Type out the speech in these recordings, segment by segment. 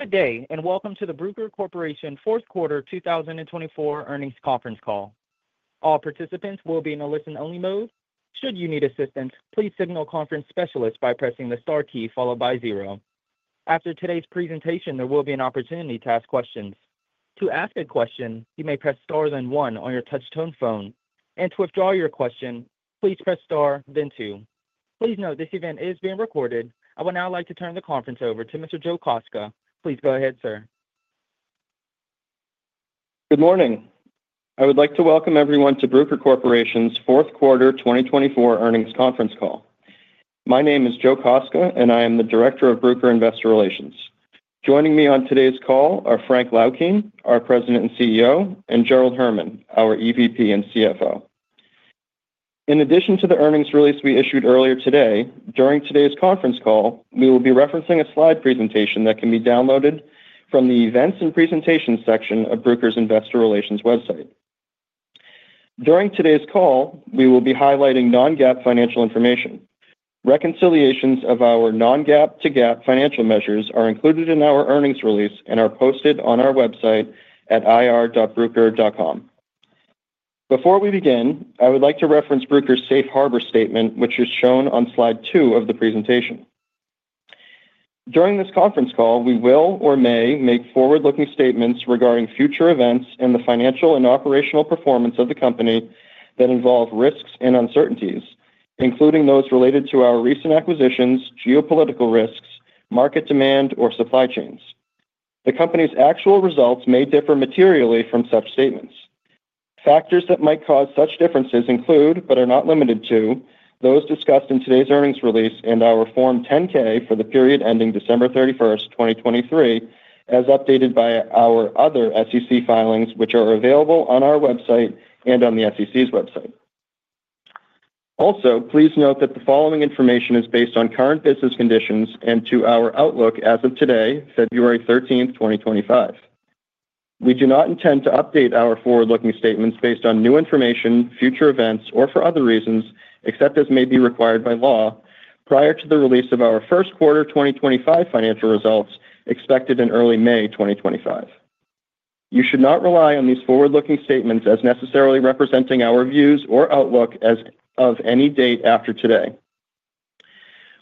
Good day, and welcome to the Bruker Corporation Fourth Quarter 2024 Earnings Conference Call. All participants will be in a listen-only mode. Should you need assistance, please signal conference specialists by pressing the star key followed by zero. After today's presentation, there will be an opportunity to ask questions. To ask a question, you may press star, then one, on your touch-tone phone. And to withdraw your question, please press star, then two. Please note this event is being recorded. I would now like to turn the conference over to Mr. Joe Kostka. Please go ahead, sir. Good morning. I would like to welcome everyone to Bruker Corporation's Fourth Quarter 2024 Earnings Conference Call. My name is Joe Kostka, and I am the Director of Bruker Investor Relations. Joining me on today's call are Frank Laukien, our President and CEO, and Gerald Herman, our EVP and CFO. In addition to the earnings release we issued earlier today, during today's conference call, we will be referencing a slide presentation that can be downloaded from the Events and Presentations section of Bruker's Investor Relations website. During today's call, we will be highlighting non-GAAP financial information. Reconciliations of our non-GAAP to GAAP financial measures are included in our earnings release and are posted on our website at ir.bruker.com. Before we begin, I would like to reference Bruker's Safe Harbor Statement, which is shown on slide two of the presentation. During this conference call, we will or may make forward-looking statements regarding future events and the financial and operational performance of the company that involve risks and uncertainties, including those related to our recent acquisitions, geopolitical risks, market demand, or supply chains. The company's actual results may differ materially from such statements. Factors that might cause such differences include, but are not limited to, those discussed in today's earnings release and our Form 10-K for the period ending December 31st, 2023, as updated by our other SEC filings, which are available on our website and on the SEC's website. Also, please note that the following information is based on current business conditions and on our outlook as of today, February 13th, 2025. We do not intend to update our forward-looking statements based on new information, future events, or for other reasons, except as may be required by law, prior to the release of our First Quarter 2025 Financial Results expected in early May 2025. You should not rely on these forward-looking statements as necessarily representing our views or outlook as of any date after today.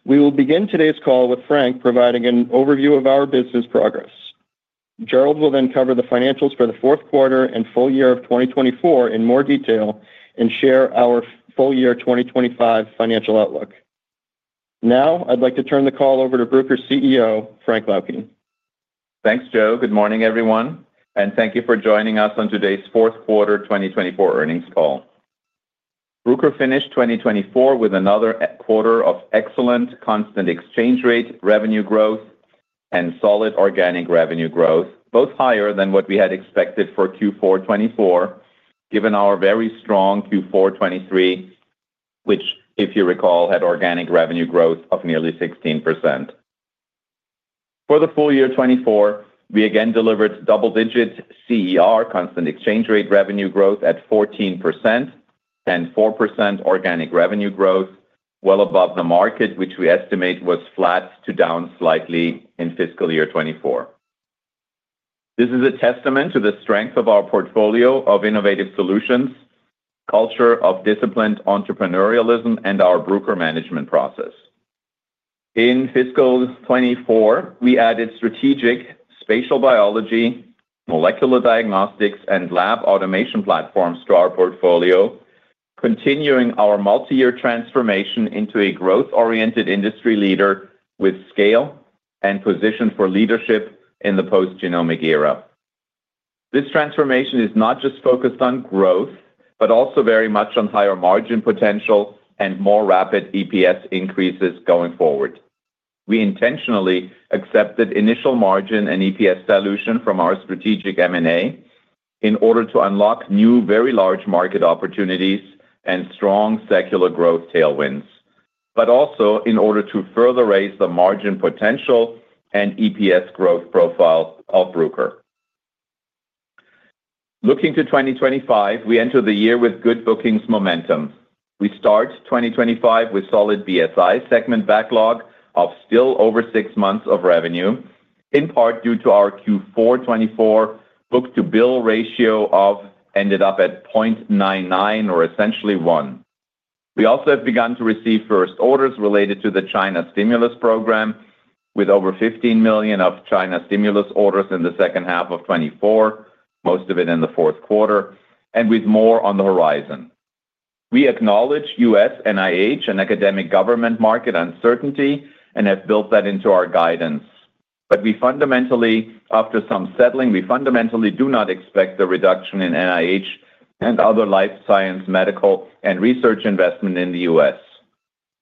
We will begin today's call with Frank providing an overview of our business progress. Gerald will then cover the financials for the fourth quarter and full year of 2024 in more detail and share our full year 2025 financial outlook. Now, I'd like to turn the call over to Bruker's CEO, Frank Laukien. Thanks, Joe. Good morning, everyone. And thank you for joining us on today's Fourth Quarter 2024 Earnings Call. Bruker finished 2024 with another quarter of excellent constant exchange rate revenue growth and solid organic revenue growth, both higher than what we had expected for Q4 2024, given our very strong Q4 2023, which, if you recall, had organic revenue growth of nearly 16%. For the full year 2024, we again delivered double-digit CER, constant exchange rate revenue growth at 14%, and 4% organic revenue growth, well above the market, which we estimate was flat to down slightly in fiscal year 2024. This is a testament to the strength of our portfolio of innovative solutions, culture of disciplined entrepreneurialism, and our Bruker management process. In fiscal 2024, we added strategic spatial biology, molecular diagnostics, and lab automation platforms to our portfolio, continuing our multi-year transformation into a growth-oriented industry leader with scale and position for leadership in the post-genomic era. This transformation is not just focused on growth, but also very much on higher margin potential and more rapid EPS increases going forward. We intentionally accepted initial margin and EPS dilution from our strategic M&A in order to unlock new very large market opportunities and strong secular growth tailwinds, but also in order to further raise the margin potential and EPS growth profile of Bruker. Looking to 2025, we enter the year with good bookings momentum. We start 2025 with solid BSI segment backlog of still over six months of revenue, in part due to our Q4 2024 book-to-bill ratio that ended up at 0.99, or essentially one. We also have begun to receive first orders related to the China stimulus program, with over $15 million of China stimulus orders in the second half of 2024, most of it in the fourth quarter, and with more on the horizon. We acknowledge US NIH and academic government market uncertainty and have built that into our guidance. But we fundamentally, after some settling, do not expect a reduction in NIH and other life science, medical, and research investment in the US.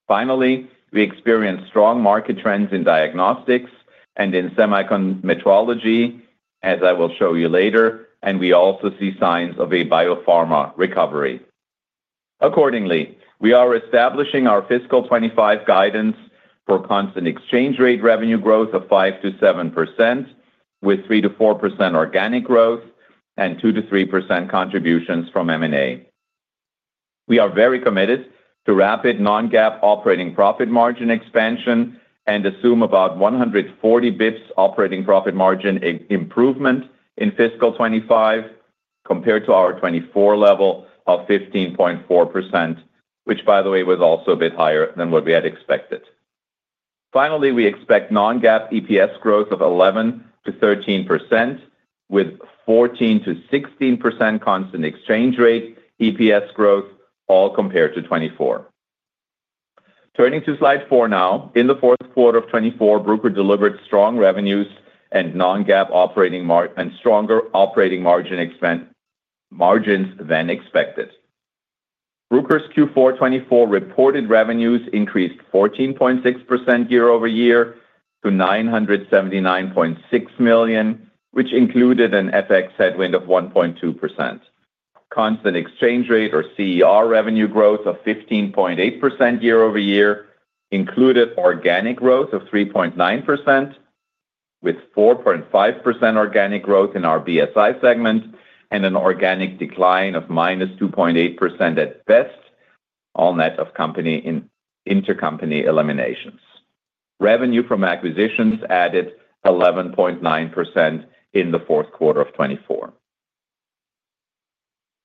Finally, we experience strong market trends in diagnostics and in semiconductor metrology, as I will show you later, and we also see signs of a biopharma recovery. Accordingly, we are establishing our fiscal 2025 guidance for constant exchange rate revenue growth of 5%-7%, with 3%-4% organic growth and 2%-3% contributions from M&A. We are very committed to rapid non-GAAP operating profit margin expansion and assume about 140 basis points operating profit margin improvement in fiscal 2025 compared to our 2024 level of 15.4%, which, by the way, was also a bit higher than what we had expected. Finally, we expect non-GAAP EPS growth of 11%-13%, with 14%-16% constant exchange rate EPS growth, all compared to 2024. Turning to slide four now, in the fourth quarter of 2024, Bruker delivered strong revenues and non-GAAP operating margins and stronger operating margin expense margins than expected. Bruker's Q4 2024 reported revenues increased 14.6% year-over-year to $979.6 million, which included an FX headwind of 1.2%. Constant exchange rate, or CER, revenue growth of 15.8% year-over-year included organic growth of 3.9%, with 4.5% organic growth in our BSI segment and an organic decline of minus 2.8% at BEST, all net of company intercompany eliminations. Revenue from acquisitions added 11.9% in the fourth quarter of 2024.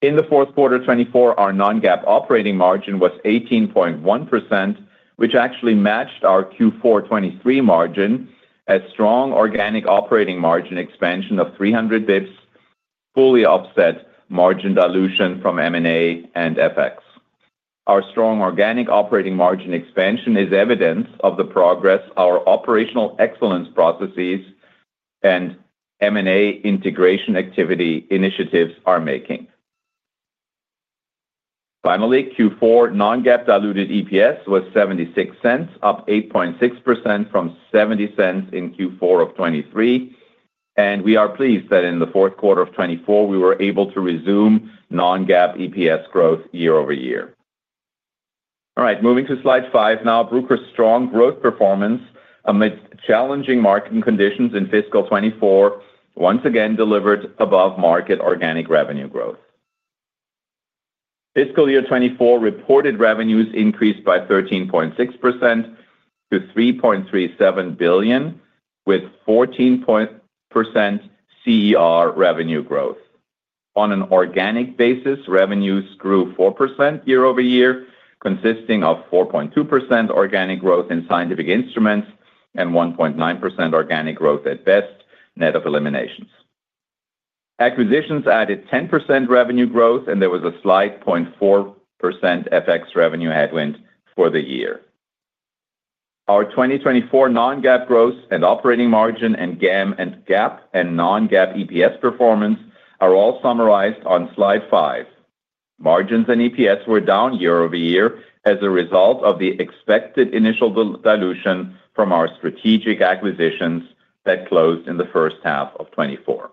In the fourth quarter 2024, our non-GAAP operating margin was 18.1%, which actually matched our Q4 2023 margin as strong organic operating margin expansion of 300 basis points, fully offset margin dilution from M&A and FX. Our strong organic operating margin expansion is evidence of the progress our operational excellence processes and M&A integration activity initiatives are making. Finally, Q4 non-GAAP diluted EPS was $0.76, up 8.6% from $0.70 in Q4 of 2023, and we are pleased that in the fourth quarter of 2024, we were able to resume non-GAAP EPS growth year-over-year. All right, moving to slide five now, Bruker's strong growth performance amidst challenging market conditions in fiscal year 2024 once again delivered above-market organic revenue growth. Fiscal year 2024 reported revenues increased by 13.6%-$3.37 billion, with 14.0% CER revenue growth. On an organic basis, revenues grew 4% year-over-year, consisting of 4.2% organic growth in scientific instruments and 1.9% organic growth at BEST, net of eliminations. Acquisitions added 10% revenue growth, and there was a slight 0.4% FX revenue headwind for the year. Our 2024 non-GAAP gross and operating margin and GAAP and non-GAAP EPS performance are all summarized on slide five. Margins and EPS were down year-over-year as a result of the expected initial dilution from our strategic acquisitions that closed in the first half of 2024.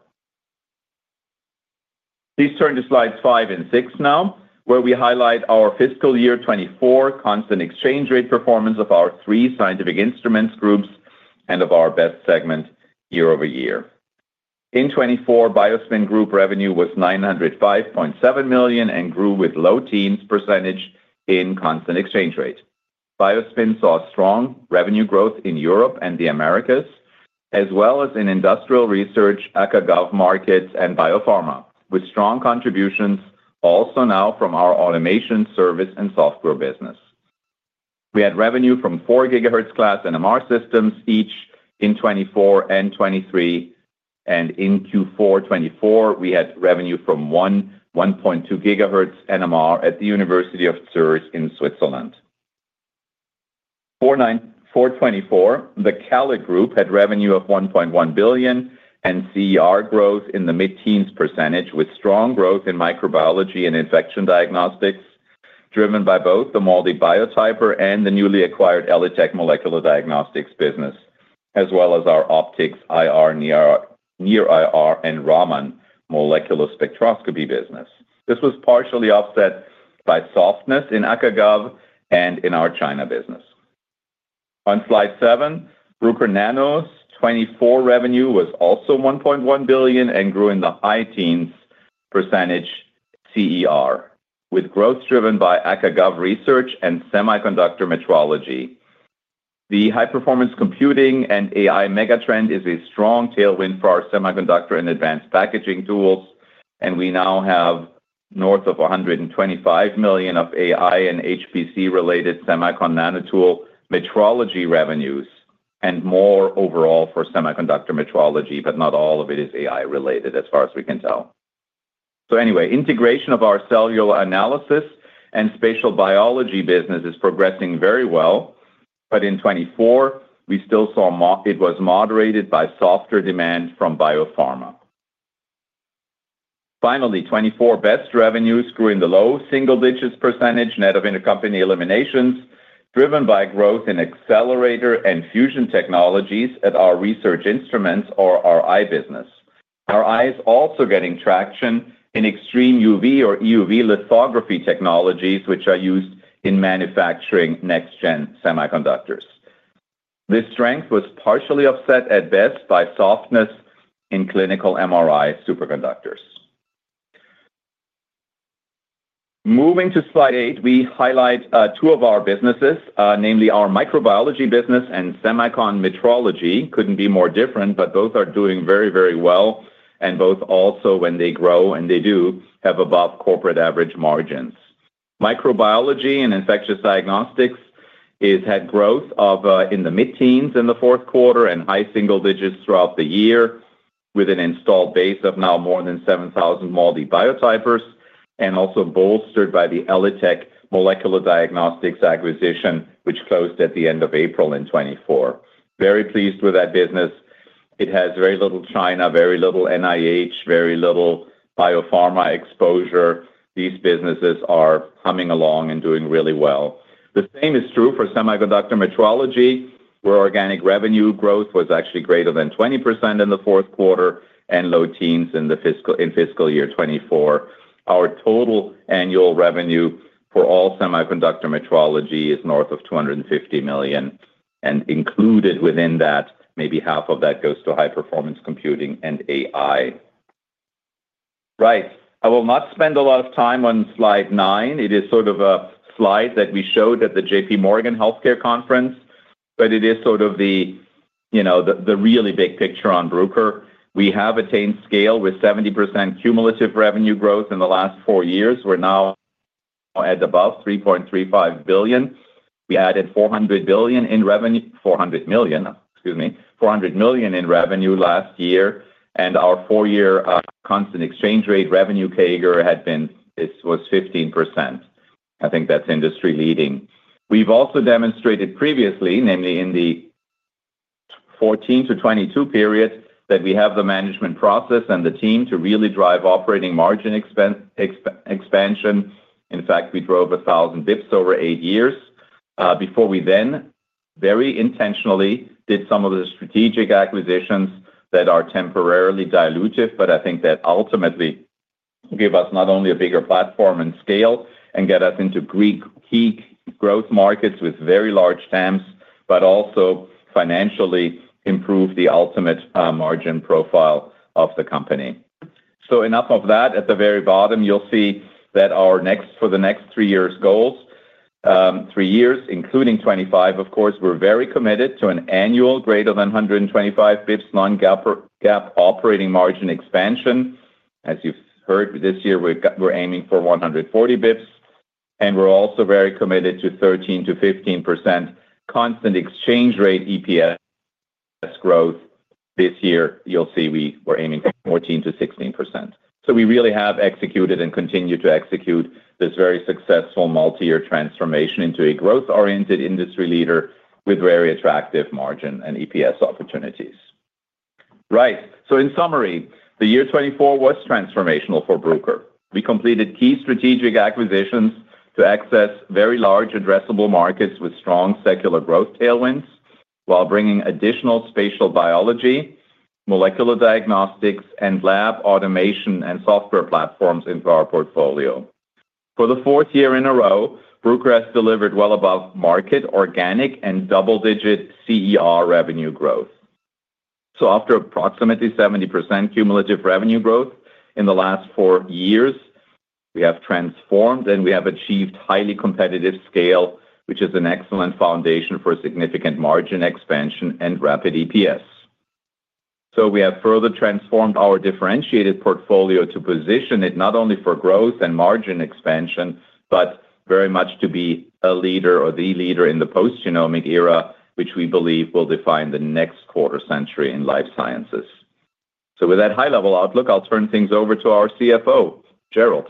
Please turn to slides five and six now, where we highlight our fiscal year 2024 constant exchange rate performance of our three scientific instruments groups and of our BEST segment year-over-year. In 2024, BioSpin Group revenue was $905.7 million and grew with low teens% in constant exchange rate. BioSpin saw strong revenue growth in Europe and the Americas, as well as in industrial research, ACAGAV markets, and biopharma, with strong contributions also now from our automation service and software business. We had revenue from four gigahertz class NMR systems each in 2024 and 2023, and in Q4 2024, we had revenue from one 1.2 gigahertz NMR at the University of Zurich in Switzerland. For 2024, the CALID had revenue of $1.1 billion and CER growth in the mid-teens%, with strong growth in microbiology and infection diagnostics driven by both the MALDI Biotyper and the newly acquired ELITech Molecular Diagnostics business, as well as our optics, IR, near IR, and Raman molecular spectroscopy business. This was partially offset by softness in ACAGAV and in our China business. On slide seven, Bruker Nano's 2024 revenue was also $1.1 billion and grew in the high teens% CER, with growth driven by ACAGAV research and semiconductor metrology. The high-performance computing and AI megatrend is a strong tailwind for our semiconductor and advanced packaging tools, and we now have north of $125 million of AI and HPC-related semiconductor nanotool metrology revenues and more overall for semiconductor metrology, but not all of it is AI-related as far as we can tell. So anyway, integration of our cellular analysis and spatial biology business is progressing very well, but in 2024, we still saw it was moderated by softer demand from biopharma. Finally, 2024 BEST revenues grew in the low single digits% net of intercompany eliminations, driven by growth in accelerator and fusion technologies at our research instruments or our RI business. Our RI is also getting traction in extreme UV or EUV lithography technologies, which are used in manufacturing next-gen semiconductors. This strength was partially offset in BEST by softness in clinical MRI superconductors. Moving to slide eight, we highlight two of our businesses, namely our microbiology business and semiconductor metrology. They couldn't be more different, but both are doing very, very well, and both also, when they grow and they do, have above corporate average margins. Microbiology and infectious diagnostics had growth in the mid-teens in the fourth quarter and high single digits throughout the year, with an installed base of now more than 7,000 MALDI Biotypers, and also bolstered by the ELITech Molecular Diagnostics acquisition, which closed at the end of April 2024. Very pleased with that business. It has very little China, very little NIH, very little biopharma exposure. These businesses are humming along and doing really well. The same is true for semiconductor metrology, where organic revenue growth was actually greater than 20% in the fourth quarter and low teens in fiscal year 2024. Our total annual revenue for all semiconductor metrology is north of $250 million, and included within that, maybe half of that goes to high-performance computing and AI. Right, I will not spend a lot of time on slide nine. It is sort of a slide that we showed at the JPMorgan Healthcare Conference, but it is sort of the really big picture on Bruker. We have attained scale with 70% cumulative revenue growth in the last four years. We're now at about $3.35 billion. We added 400 billion in revenue, 400 million, excuse me, 400 million in revenue last year, and our four-year constant exchange rate revenue CAGR had been was 15%. I think that's industry-leading. We've also demonstrated previously, namely in the 2014 to 2022 period, that we have the management process and the team to really drive operating margin expansion. In fact, we drove 1,000 basis points over eight years before we then very intentionally did some of the strategic acquisitions that are temporarily dilutive, but I think that ultimately gave us not only a bigger platform and scale and got us into key growth markets with very large TAMs, but also financially improved the ultimate margin profile of the company. So enough of that. At the very bottom, you'll see that our next for the next three years' goals, three years, including 2025, of course, we're very committed to an annual greater than 125 basis points non-GAAP operating margin expansion. As you've heard, this year we're aiming for 140 basis points, and we're also very committed to 13%-15% constant exchange rate EPS growth. This year, you'll see we were aiming for 14%-16%. We really have executed and continue to execute this very successful multi-year transformation into a growth-oriented industry leader with very attractive margin and EPS opportunities. Right, so in summary, the year 2024 was transformational for Bruker. We completed key strategic acquisitions to access very large addressable markets with strong secular growth tailwinds while bringing additional spatial biology, molecular diagnostics, and lab automation and software platforms into our portfolio. For the fourth year in a row, Bruker has delivered well above-market organic and double-digit CER revenue growth. After approximately 70% cumulative revenue growth in the last four years, we have transformed and we have achieved highly competitive scale, which is an excellent foundation for significant margin expansion and rapid EPS. So we have further transformed our differentiated portfolio to position it not only for growth and margin expansion, but very much to be a leader or the leader in the post-genomic era, which we believe will define the next quarter century in life sciences. So with that high-level outlook, I'll turn things over to our CFO, Gerald.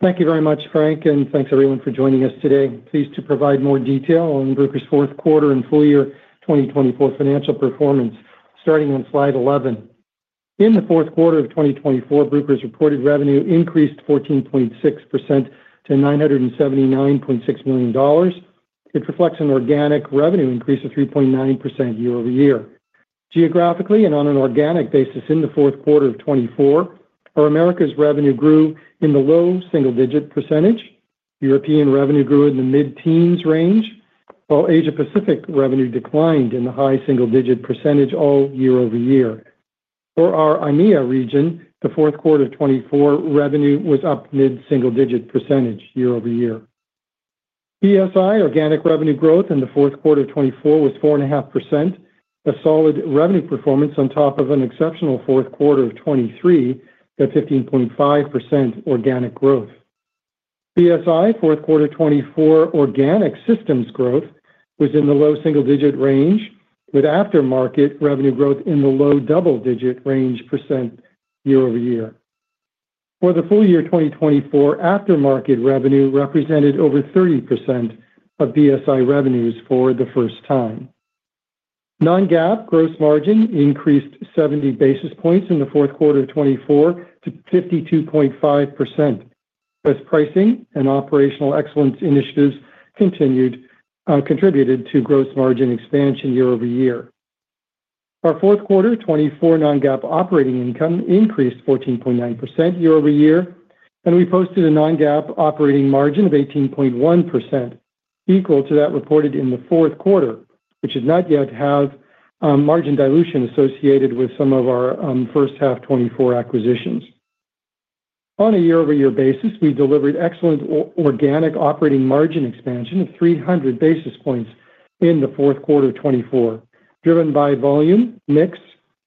Thank you very much, Frank, and thanks everyone for joining us today. Pleased to provide more detail on Bruker's fourth quarter and full year 2024 financial performance, starting on slide 11. In the fourth quarter of 2024, Bruker's reported revenue increased 14.6%-$979.6 million. It reflects an organic revenue increase of 3.9% year-over-year. Geographically and on an organic basis, in the fourth quarter of 2024, our America's revenue grew in the low single-digit percentage. European revenue grew in the mid-teens range, while Asia-Pacific revenue declined in the high single-digit % all year-over-year. For our EMEA region, the fourth quarter of 2024 revenue was up mid-single-digit % year-over-year. BSI organic revenue growth in the fourth quarter of 2024 was 4.5%, a solid revenue performance on top of an exceptional fourth quarter of 2023 at 15.5% organic growth. BSI fourth quarter 2024 organic systems growth was in the low single-digit range, with aftermarket revenue growth in the low double-digit range % year-over-year. For the full year 2024, aftermarket revenue represented over 30% of BSI revenues for the first time. Non-GAAP gross margin increased 70 basis points in the fourth quarter of 2024 to 52.5%, as pricing and operational excellence initiatives continued to contribute to gross margin expansion year-over-year. Our fourth quarter 2024 non-GAAP operating income increased 14.9% year-over-year, and we posted a non-GAAP operating margin of 18.1%, equal to that reported in the fourth quarter, which does not yet have margin dilution associated with some of our first half 2024 acquisitions. On a year-over-year basis, we delivered excellent organic operating margin expansion of 300 basis points in the fourth quarter 2024, driven by volume, mix,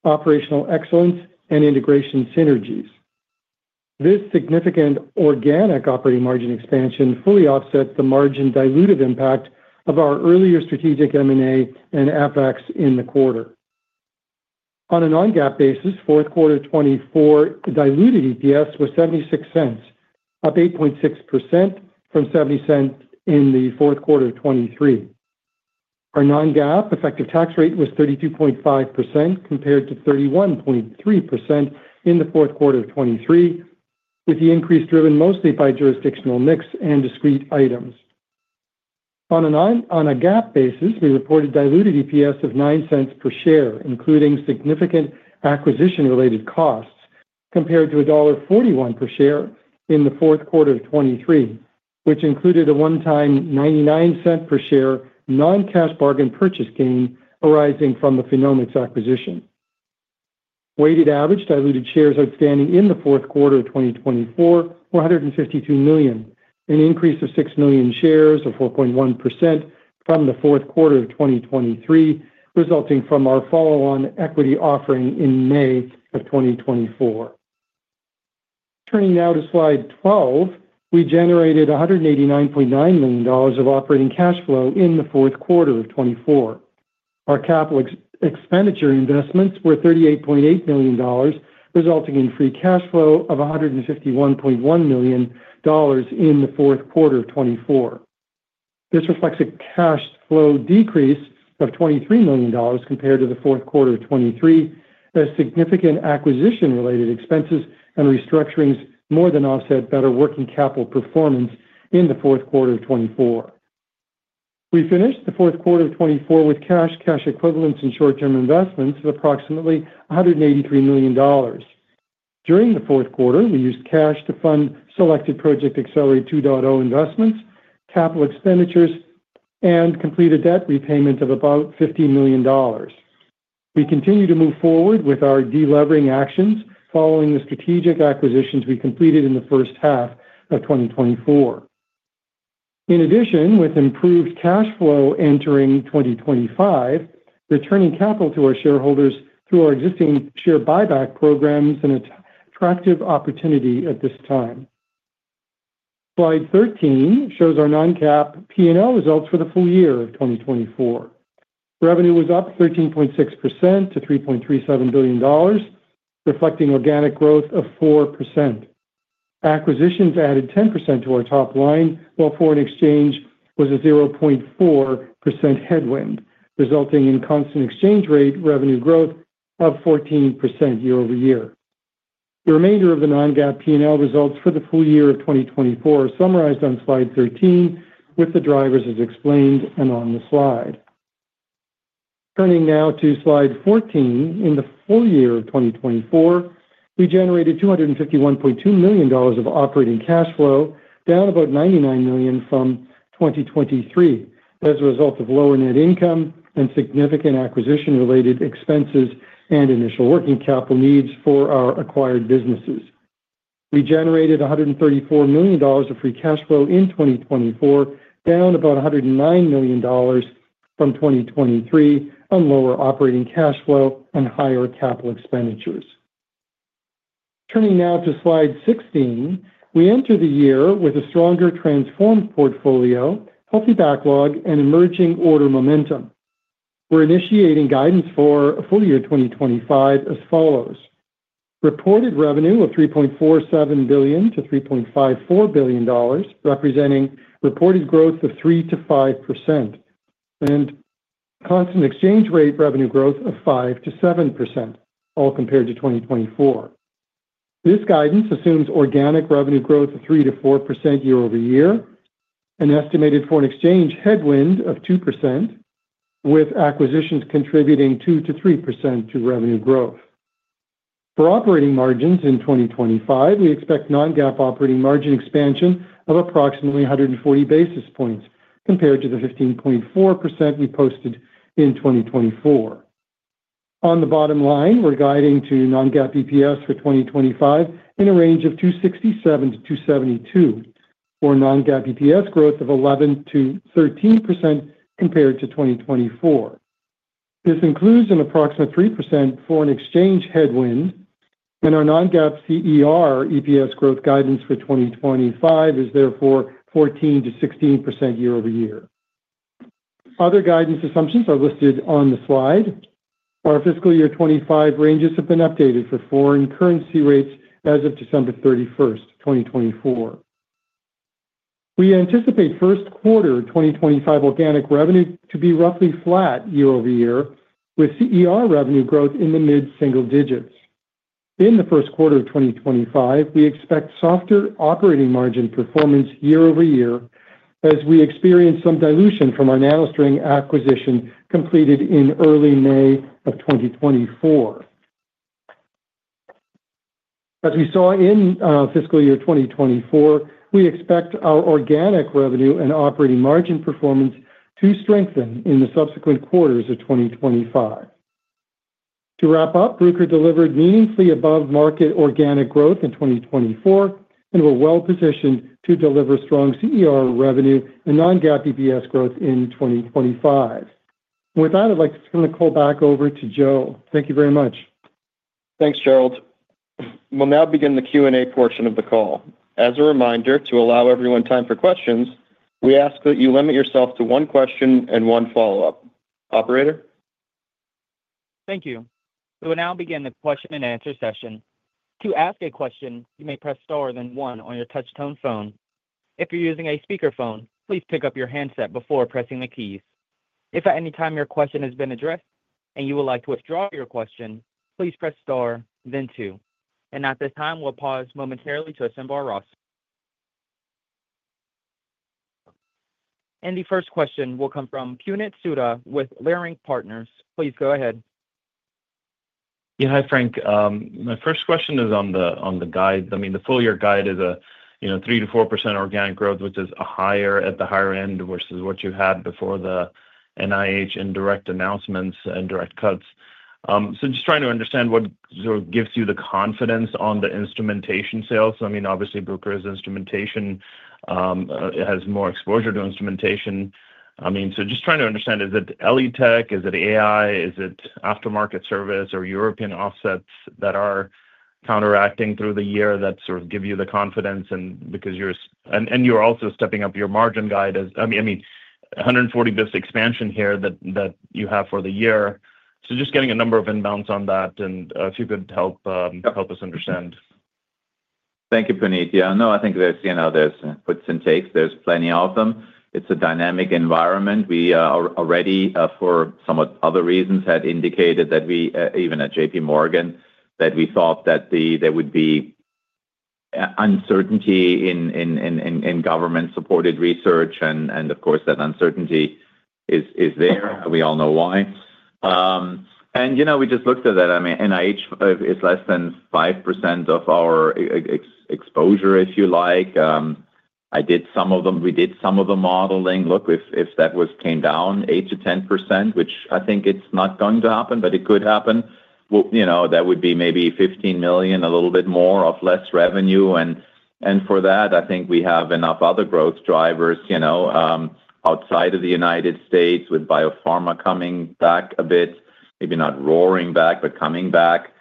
operational excellence, and integration synergies. This significant organic operating margin expansion fully offsets the margin dilutive impact of our earlier strategic M&A and FX in the quarter. On a non-GAAP basis, fourth quarter 2024 diluted EPS was $0.76, up 8.6% from $0.70 in the fourth quarter of 2023. Our non-GAAP effective tax rate was 32.5% compared to 31.3% in the fourth quarter of 2023, with the increase driven mostly by jurisdictional mix and discrete items. On a GAAP basis, we reported diluted EPS of $0.09 per share, including significant acquisition-related costs, compared to $1.41 per share in the fourth quarter of 2023, which included a one-time $0.99 per share non-cash bargain purchase gain arising from the PhenomeX acquisition. Weighted average diluted shares outstanding in the fourth quarter of 2024 were 152 million, an increase of six million shares or 4.1% from the fourth quarter of 2023, resulting from our follow-on equity offering in May of 2024. Turning now to slide 12, we generated $189.9 million of operating cash flow in the fourth quarter of 2024. Our capital expenditure investments were $38.8 million, resulting in free cash flow of $151.1 million in the fourth quarter of 2024. This reflects a cash flow decrease of $23 million compared to the fourth quarter of 2023, as significant acquisition-related expenses and restructurings more than offset better working capital performance in the fourth quarter of 2024. We finished the fourth quarter of 2024 with cash, cash equivalents, and short-term investments of approximately $183 million. During the fourth quarter, we used cash to fund selected Project Accelerator 2.0 investments, capital expenditures, and completed debt repayment of about $15 million. We continue to move forward with our delivering actions following the strategic acquisitions we completed in the first half of 2024. In addition, with improved cash flow entering 2025, returning capital to our shareholders through our existing share buyback programs is an attractive opportunity at this time. Slide 13 shows our Non-GAAP P&L results for the full year of 2024. Revenue was up 13.6% to $3.37 billion, reflecting organic growth of 4%. Acquisitions added 10% to our top line, while foreign exchange was a 0.4% headwind, resulting in constant exchange rate revenue growth of 14% year-over-year. The remainder of the non-GAAP P&L results for the full year of 2024 are summarized on slide 13, with the drivers as explained and on the slide. Turning now to slide 14, in the full year of 2024, we generated $251.2 million of operating cash flow, down about $99 million from 2023, as a result of lower net income and significant acquisition-related expenses and initial working capital needs for our acquired businesses. We generated $134 million of free cash flow in 2024, down about $109 million from 2023, on lower operating cash flow and higher capital expenditures. Turning now to slide 16, we enter the year with a stronger transformed portfolio, healthy backlog, and emerging order momentum. We're initiating guidance for full year 2025 as follows: reported revenue of $3.47 billion-$3.54 billion, representing reported growth of 3%-5%, and constant exchange rate revenue growth of 5%-7%, all compared to 2024. This guidance assumes organic revenue growth of 3%-4% year-over-year, an estimated foreign exchange headwind of 2%, with acquisitions contributing 2%-3% to revenue growth. For operating margins in 2025, we expect non-GAAP operating margin expansion of approximately 140 basis points compared to the 15.4% we posted in 2024. On the bottom line, we're guiding to non-GAAP EPS for 2025 in a range of 267-272, for non-GAAP EPS growth of 11%-13% compared to 2024. This includes an approximate 3% foreign exchange headwind, and our non-GAAP CER EPS growth guidance for 2025 is therefore 14%-16% year-over-year. Other guidance assumptions are listed on the slide. Our fiscal year '25 ranges have been updated for foreign currency rates as of December 31, 2024. We anticipate first quarter 2025 organic revenue to be roughly flat year-over-year, with CER revenue growth in the mid-single digits. In the first quarter of 2025, we expect softer operating margin performance year-over-year, as we experience some dilution from our NanoString acquisition completed in early May of 2024. As we saw in fiscal year 2024, we expect our organic revenue and operating margin performance to strengthen in the subsequent quarters of 2025. To wrap up, Bruker delivered meaningfully above-market organic growth in 2024 and were well-positioned to deliver strong CER revenue and non-GAAP EPS growth in 2025. With that, I'd like to turn the call back over to Joe. Thank you very much. Thanks, Gerald. We'll now begin the Q&A portion of the call. As a reminder, to allow everyone time for questions, we ask that you limit yourself to one question and one follow-up. Operator? Thank you. We will now begin the question-and-answer session. To ask a question, you may press star then one on your touch-tone phone. If you're using a speakerphone, please pick up your handset before pressing the keys. If at any time your question has been addressed and you would like to withdraw your question, please press star, then two. And at this time, we'll pause momentarily to assemble our roster. And the first question will come from Puneet Souda with Leerink Partners. Please go ahead. Yeah, hi, Frank. My first question is on the guide. I mean, the full year guide is a 3%-4% organic growth, which is at the higher end versus what you had before the NIH indirect announcements and direct cuts. So just trying to understand what gives you the confidence on the instrumentation sales. I mean, obviously, Bruker has more exposure to instrumentation. I mean, so just trying to understand, is it ELITech? Is it AI? Is it aftermarket service or European offsets that are counteracting through the year that sort of give you the confidence? And you're also stepping up your margin guide. I mean, 140 basis points expansion here that you have for the year. So just getting a number of inbounds on that, and if you could help us understand. Thank you, Puneet. Yeah, no, I think there's puts and takes. There's plenty of them. It's a dynamic environment. We already, for somewhat other reasons, had indicated that we, even at JPMorgan, that we thought that there would be uncertainty in government-supported research. Of course, that uncertainty is there. We all know why. And we just looked at that. I mean, NIH is less than 5% of our exposure, if you like. We did some of the modeling. Look, if that came down 8%-10%, which I think it's not going to happen, but it could happen, that would be maybe $15 million, a little bit more or less revenue. And for that, I think we have enough other growth drivers outside of the United States, with biopharma coming back a bit, maybe not roaring back, but coming back,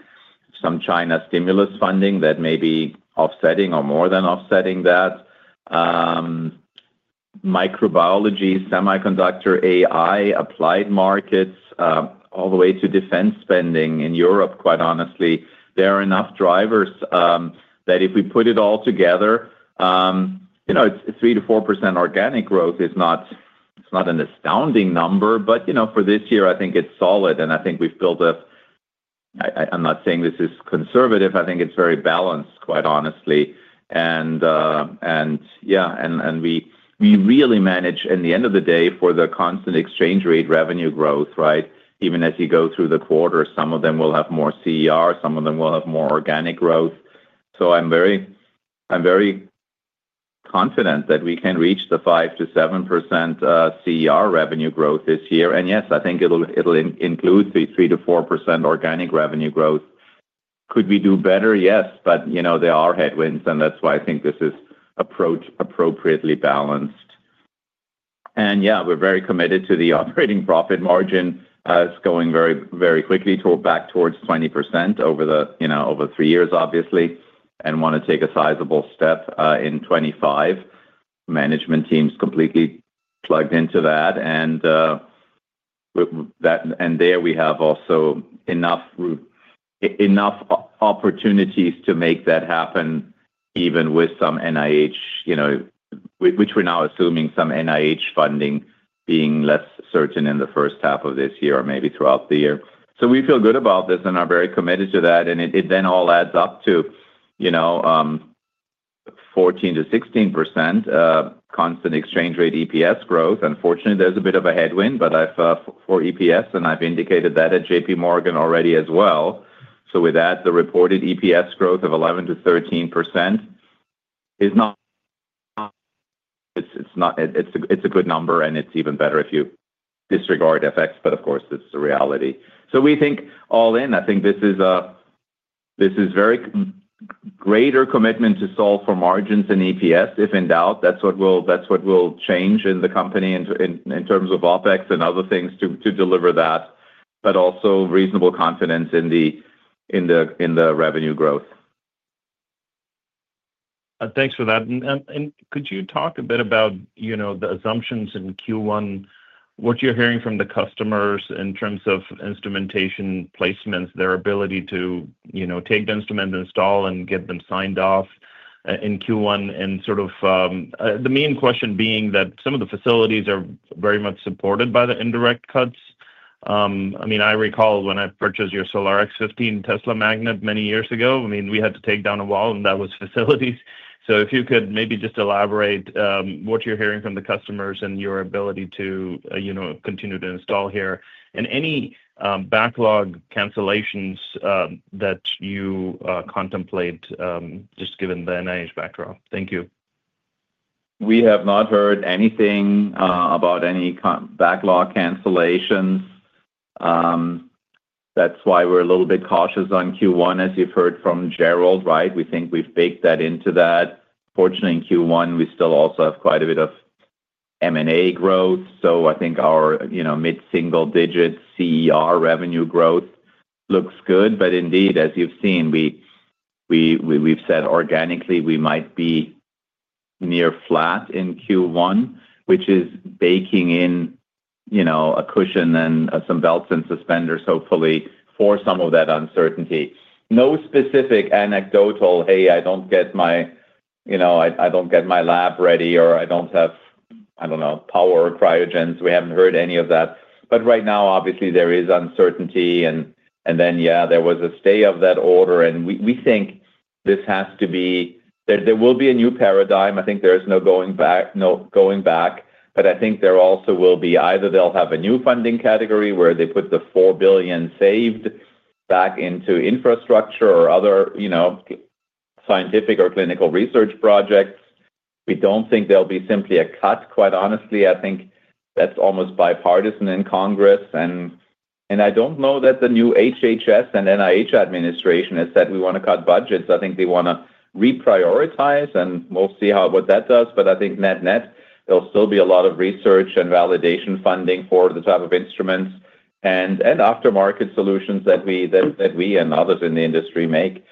some China stimulus funding that may be offsetting or more than offsetting that, microbiology, semiconductor, AI, applied markets, all the way to defense spending in Europe, quite honestly. There are enough drivers that if we put it all together, 3%-4% organic growth is not an astounding number, but for this year, I think it's solid. And I think we've built a, I'm not saying this is conservative. I think it's very balanced, quite honestly. And yeah, and we really manage, in the end of the day, for the constant exchange rate revenue growth, right? Even as you go through the quarter, some of them will have more CER, some of them will have more organic growth. So I'm very confident that we can reach the 5%-7% CER revenue growth this year. And yes, I think it'll include 3%-4% organic revenue growth. Could we do better? Yes, but there are headwinds, and that's why I think this is appropriately balanced. And yeah, we're very committed to the operating profit margin. It's going very quickly back towards 20% over three years, obviously, and want to take a sizable step in 2025. Management team's completely plugged into that. And there we have also enough opportunities to make that happen, even with some NIH, which we're now assuming some NIH funding being less certain in the first half of this year or maybe throughout the year. So we feel good about this and are very committed to that. And it then all adds up to 14%-16% constant exchange rate EPS growth. Unfortunately, there's a bit of a headwind, but for EPS, and I've indicated that at JPMorgan already as well. So with that, the reported EPS growth of 11%-13% is not. It's a good number, and it's even better if you disregard FX, but of course, it's the reality. So we think all in. I think this is a greater commitment to solve for margins than EPS, if in doubt. That's what will change in the company in terms of OPEX and other things to deliver that, but also reasonable confidence in the revenue growth. Thanks for that. And could you talk a bit about the assumptions in Q1? What you're hearing from the customers in terms of instrumentation placements, their ability to take the instrument and install and get them signed off in Q1, and sort of the main question being that some of the facilities are very much supported by the indirect cuts. I mean, I recall when I purchased your SolariX 15 Tesla Magnet many years ago, I mean, we had to take down a wall, and that was facilities. So if you could maybe just elaborate what you're hearing from the customers and your ability to continue to install here, and any backlog cancellations that you contemplate, just given the NIH backdrop. Thank you. We have not heard anything about any backlog cancellations. That's why we're a little bit cautious on Q1, as you've heard from Gerald, right? We think we've baked that into that. Fortunately, in Q1, we still also have quite a bit of M&A growth. So I think our mid-single digit CER revenue growth looks good. But indeed, as you've seen, we've said organically we might be near flat in Q1, which is baking in a cushion and some belts and suspenders, hopefully, for some of that uncertainty. No specific anecdotal, "Hey, I don't get my—I don't get my lab ready," or, "I don't have, I don't know, power or cryogens." We haven't heard any of that. But right now, obviously, there is uncertainty. And then, yeah, there was a stay of that order. And we think this has to be. There will be a new paradigm. I think there is no going back, but I think there also will be either they'll have a new funding category where they put the $4 billion saved back into infrastructure or other scientific or clinical research projects. We don't think there'll be simply a cut, quite honestly. I think that's almost bipartisan in Congress, and I don't know that the new HHS and NIH administration has said, "We want to cut budgets." I think they want to reprioritize, and we'll see what that does. But I think net-net, there'll still be a lot of research and validation funding for the type of instruments and aftermarket solutions that we and others in the industry make.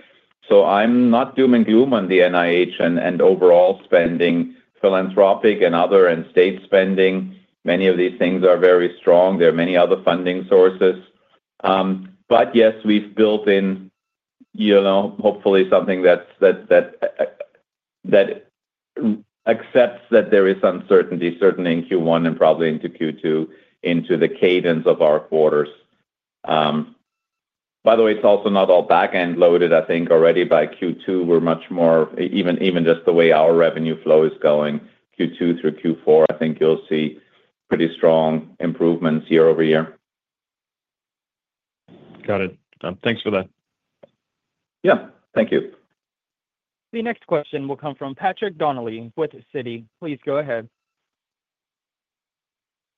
So I'm not doom and gloom on the NIH and overall spending, philanthropic and other and state spending. Many of these things are very strong. There are many other funding sources. But yes, we've built in, hopefully, something that accepts that there is uncertainty, certainly in Q1 and probably into Q2, into the cadence of our quarters. By the way, it's also not all back-end loaded, I think, already by Q2. We're much more, even just the way our revenue flow is going, Q2 through Q4, I think you'll see pretty strong improvements year-over-year. Got it. Thanks for that. Yeah. Thank you. The next question will come from Patrick Donnelly with Citi. Please go ahead.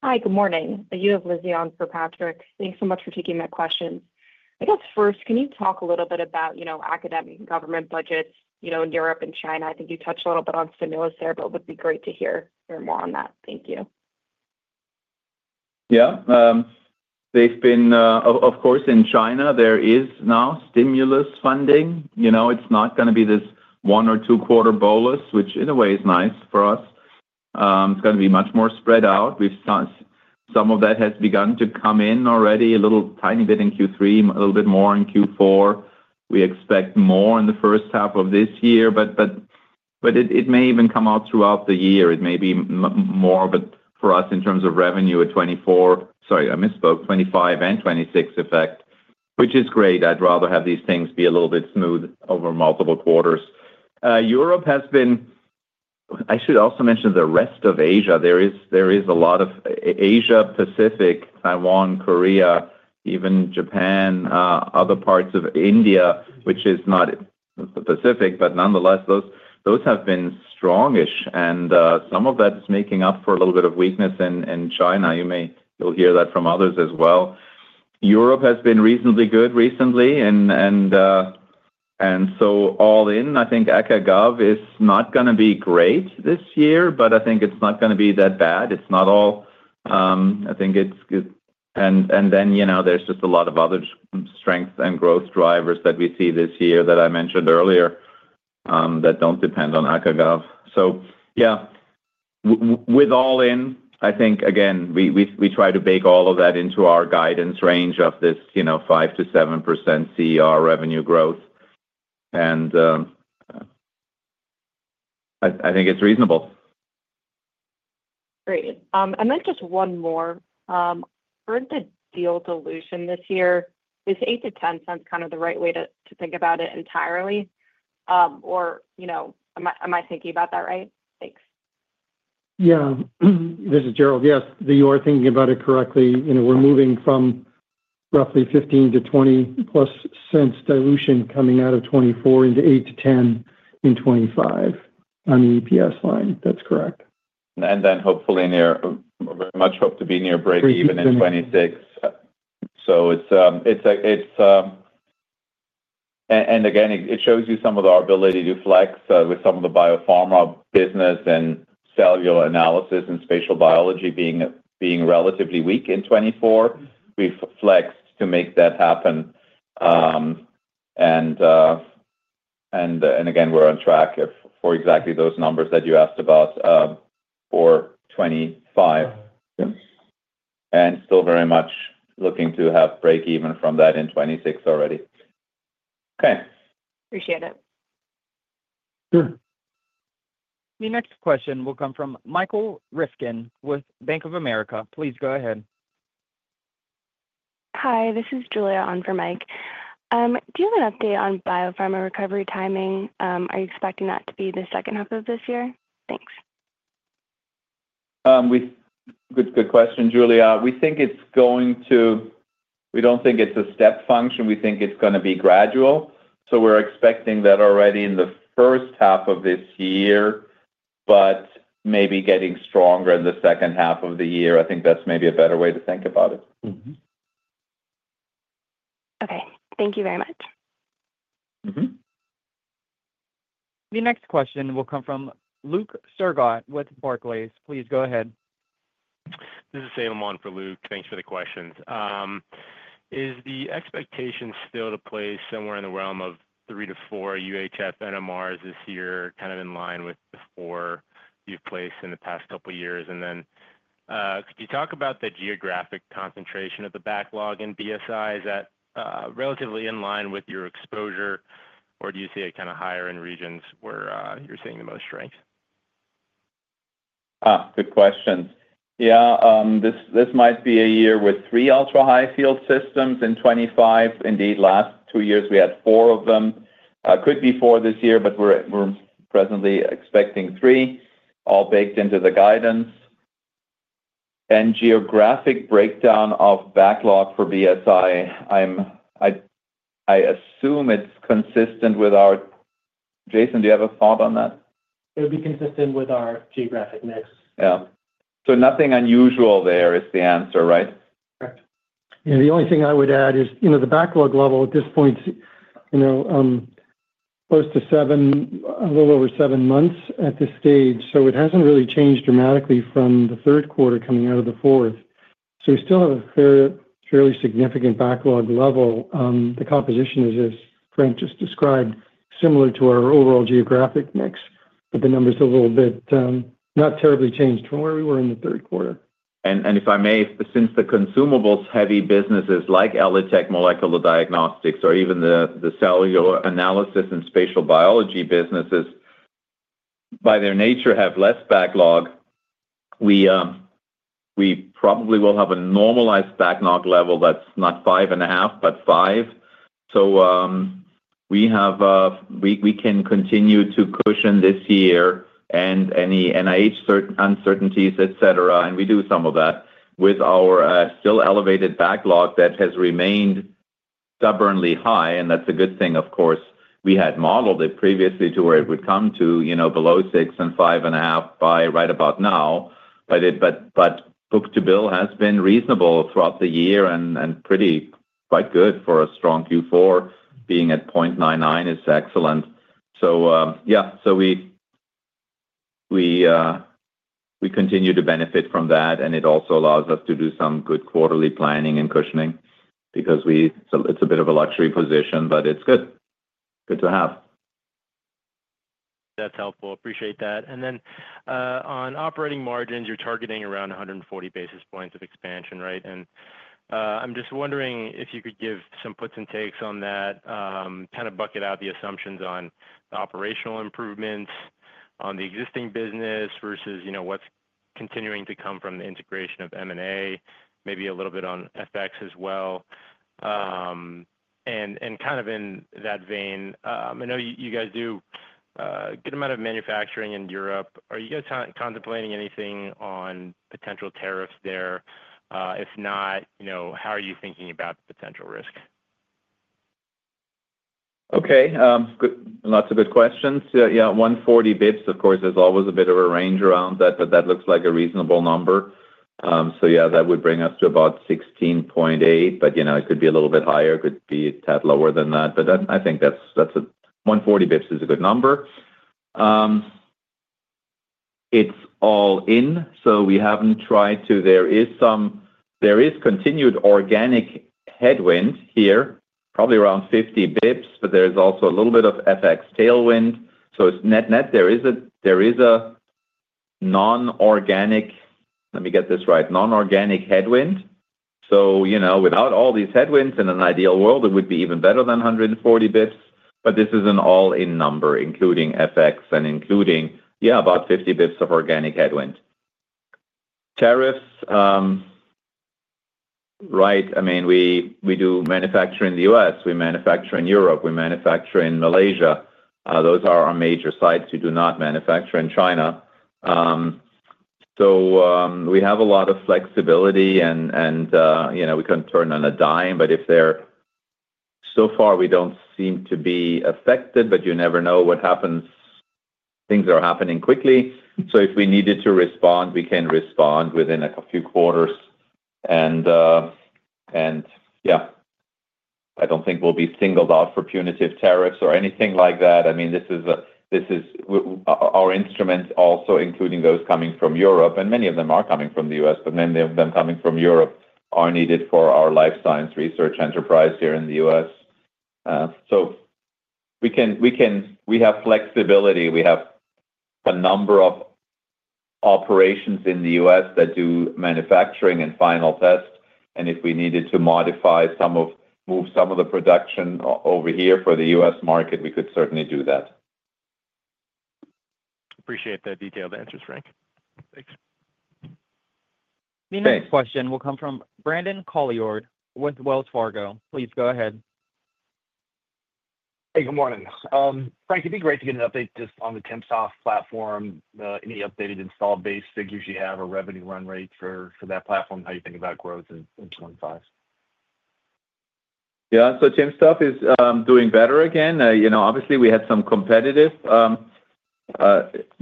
Hi, good morning. Yulia on for Patrick. Thanks so much for taking my questions. I guess first, can you talk a little bit about academic government budgets in Europe and China? I think you touched a little bit on stimulus there, but it would be great to hear more on that. Thank you. Yeah. Of course, in China, there is now stimulus funding. It's not going to be this one or two-quarter bolus, which, in a way, is nice for us. It's going to be much more spread out. Some of that has begun to come in already, a little tiny bit in Q3, a little bit more in Q4. We expect more in the first half of this year, but it may even come out throughout the year. It may be more, but for us, in terms of revenue, sorry, I misspoke, 2025 and 2026 effect, which is great. I'd rather have these things be a little bit smooth over multiple quarters. Europe has been. I should also mention the rest of Asia. There is a lot of Asia-Pacific, Taiwan, Korea, even Japan, other parts of India, which is not the Pacific, but nonetheless, those have been strongish. And some of that is making up for a little bit of weakness in China. You'll hear that from others as well. Europe has been reasonably good recently. And so all in, I think ACAGAV is not going to be great this year, but I think it's not going to be that bad. It's not all—I think it's—and then there's just a lot of other strengths and growth drivers that we see this year that I mentioned earlier that don't depend on ACAGAV. So yeah, with all in, I think, again, we try to bake all of that into our guidance range of this 5%-7% CER revenue growth. And I think it's reasonable. Great. And then just one more. For the deal dilution this year, is 8%-10% kind of the right way to think about it entirely? Or am I thinking about that right? Thanks. Yeah. This is Gerald. Yes, you are thinking about it correctly. We're moving from roughly 15%-20% plus cents dilution coming out of 2024 into 8%-10% in 2025 on the EPS line. That's correct. Then hopefully, we much hope to be near break even in 2026. It's and again, it shows you some of our ability to flex with some of the biopharma business and cellular analysis and spatial biology being relatively weak in 2024. We've flexed to make that happen. Again, we're on track for exactly those numbers that you asked about for 2025. And still very much looking to have break even from that in 2026 already. Okay. Appreciate it. Sure. The next question will come from Michael Ryskin with Bank of America. Please go ahead. Hi, this is Julia on for Mike. Do you have an update on biopharma recovery timing? Are you expecting that to be the second half of this year? Thanks. Good question, Julia. We think it's going to. We don't think it's a step function. We think it's going to be gradual. So we're expecting that already in the first half of this year, but maybe getting stronger in the second half of the year. I think that's maybe a better way to think about it. Okay. Thank you very much. The next question will come from Luke Sergott with Barclays. Please go ahead. This is Sam on for Luke. Thanks for the questions. Is the expectation still to place somewhere in the realm of three to four UHF NMRs this year, kind of in line with the four you've placed in the past couple of years? And then could you talk about the geographic concentration of the backlog in BSI? Is that relatively in line with your exposure, or do you see it kind of higher in regions where you're seeing the most strength? Good question. Yeah. This might be a year with three ultra-high field systems in 2025. Indeed, last two years, we had four of them. Could be four this year, but we're presently expecting three, all baked into the guidance. And geographic breakdown of backlog for BSI, I assume it's consistent with our—Jason, do you have a thought on that? It would be consistent with our geographic mix. Yeah. So nothing unusual there is the answer, right? Correct. Yeah. The only thing I would add is the backlog level at this point is close to seven, a little over seven months at this stage. So it hasn't really changed dramatically from the third quarter coming out of the fourth. So we still have a fairly significant backlog level. The composition is, as Frank just described, similar to our overall geographic mix, but the number's a little bit not terribly changed from where we were in the third quarter. And if I may, since the consumables-heavy businesses like ELITech Molecular Diagnostics or even the cellular analysis and spatial biology businesses, by their nature, have less backlog, we probably will have a normalized backlog level that's not five and a half, but five. So we can continue to cushion this year and any NIH uncertainties, etc. And we do some of that with our still elevated backlog that has remained stubbornly high. And that's a good thing, of course. We had modeled it previously to where it would come to below six and five and a half by right about now. But book to bill has been reasonable throughout the year and quite good for a strong Q4. Being at 0.99 is excellent. So yeah, so we continue to benefit from that, and it also allows us to do some good quarterly planning and cushioning because it's a bit of a luxury position, but it's good to have. That's helpful. Appreciate that. And then on operating margins, you're targeting around 140 basis points of expansion, right? And I'm just wondering if you could give some puts and takes on that, kind of bucket out the assumptions on the operational improvements on the existing business versus what's continuing to come from the integration of M&A, maybe a little bit on FX as well. And kind of in that vein, I know you guys do a good amount of manufacturing in Europe. Are you guys contemplating anything on potential tariffs there? If not, how are you thinking about potential risk? Okay. Lots of good questions. Yeah, 140 basis points, of course, there's always a bit of a range around that, but that looks like a reasonable number. So yeah, that would bring us to about 16.8, but it could be a little bit higher. It could be a tad lower than that. But I think 140 basis points is a good number. It's all in, so we haven't tried to. There is continued organic headwind here, probably around 50 basis points, but there's also a little bit of FX tailwind. So net-net, there is a non-organic. Let me get this right. Non-organic headwind. So without all these headwinds in an ideal world, it would be even better than 140 basis points. But this is an all-in number, including FX and including, yeah, about 50 basis points of organic headwind. Tariffs, right? I mean, we do manufacture in the U.S. We manufacture in Europe. We manufacture in Malaysia. Those are our major sites. We do not manufacture in China. So we have a lot of flexibility, and we can turn on a dime. But so far, we don't seem to be affected, but you never know what happens. Things are happening quickly. So if we needed to respond, we can respond within a few quarters. And yeah, I don't think we'll be singled out for punitive tariffs or anything like that. I mean, this is our instruments also, including those coming from Europe. And many of them are coming from the U.S., but many of them coming from Europe are needed for our life science research enterprise here in the U.S. So we have flexibility. We have a number of operations in the U.S. that do manufacturing and final tests. And if we needed to modify some of the production over here for the U.S. market, we could certainly do that. Appreciate the detailed answers, Frank. Thanks. The next question will come from Brandon Couillard with Wells Fargo. Please go ahead. Hey, good morning. Frank, it'd be great to get an update just on the timsTOF platform, any updated installed base figures you have, or revenue run rate for that platform, how you think about growth in 2025. Yeah. So timsTOF is doing better again. Obviously, we had some competitive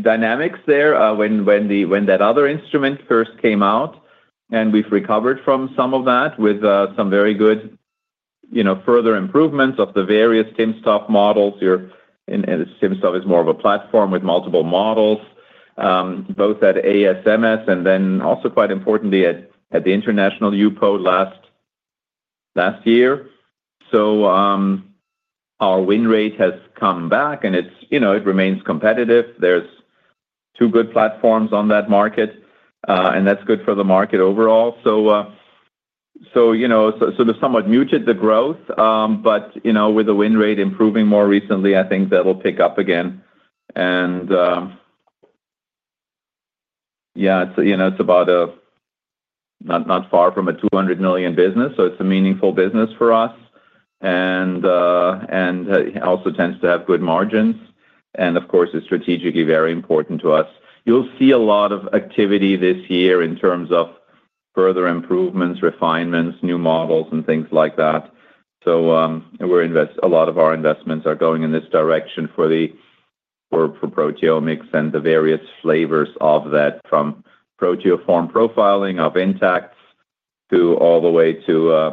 dynamics there when that other instrument first came out. And we've recovered from some of that with some very good further improvements of the various timsTOF models. timsTOF is more of a platform with multiple models, both at ASMS and then also quite importantly at the international HUPO last year. So our win rate has come back, and it remains competitive. There's two good platforms on that market, and that's good for the market overall. So sort of somewhat muted the growth, but with the win rate improving more recently, I think that'll pick up again. And yeah, it's about not far from a $200 million business, so it's a meaningful business for us and also tends to have good margins. And of course, it's strategically very important to us. You'll see a lot of activity this year in terms of further improvements, refinements, new models, and things like that. So a lot of our investments are going in this direction for proteomics and the various flavors of that from proteoform profiling of intacts all the way to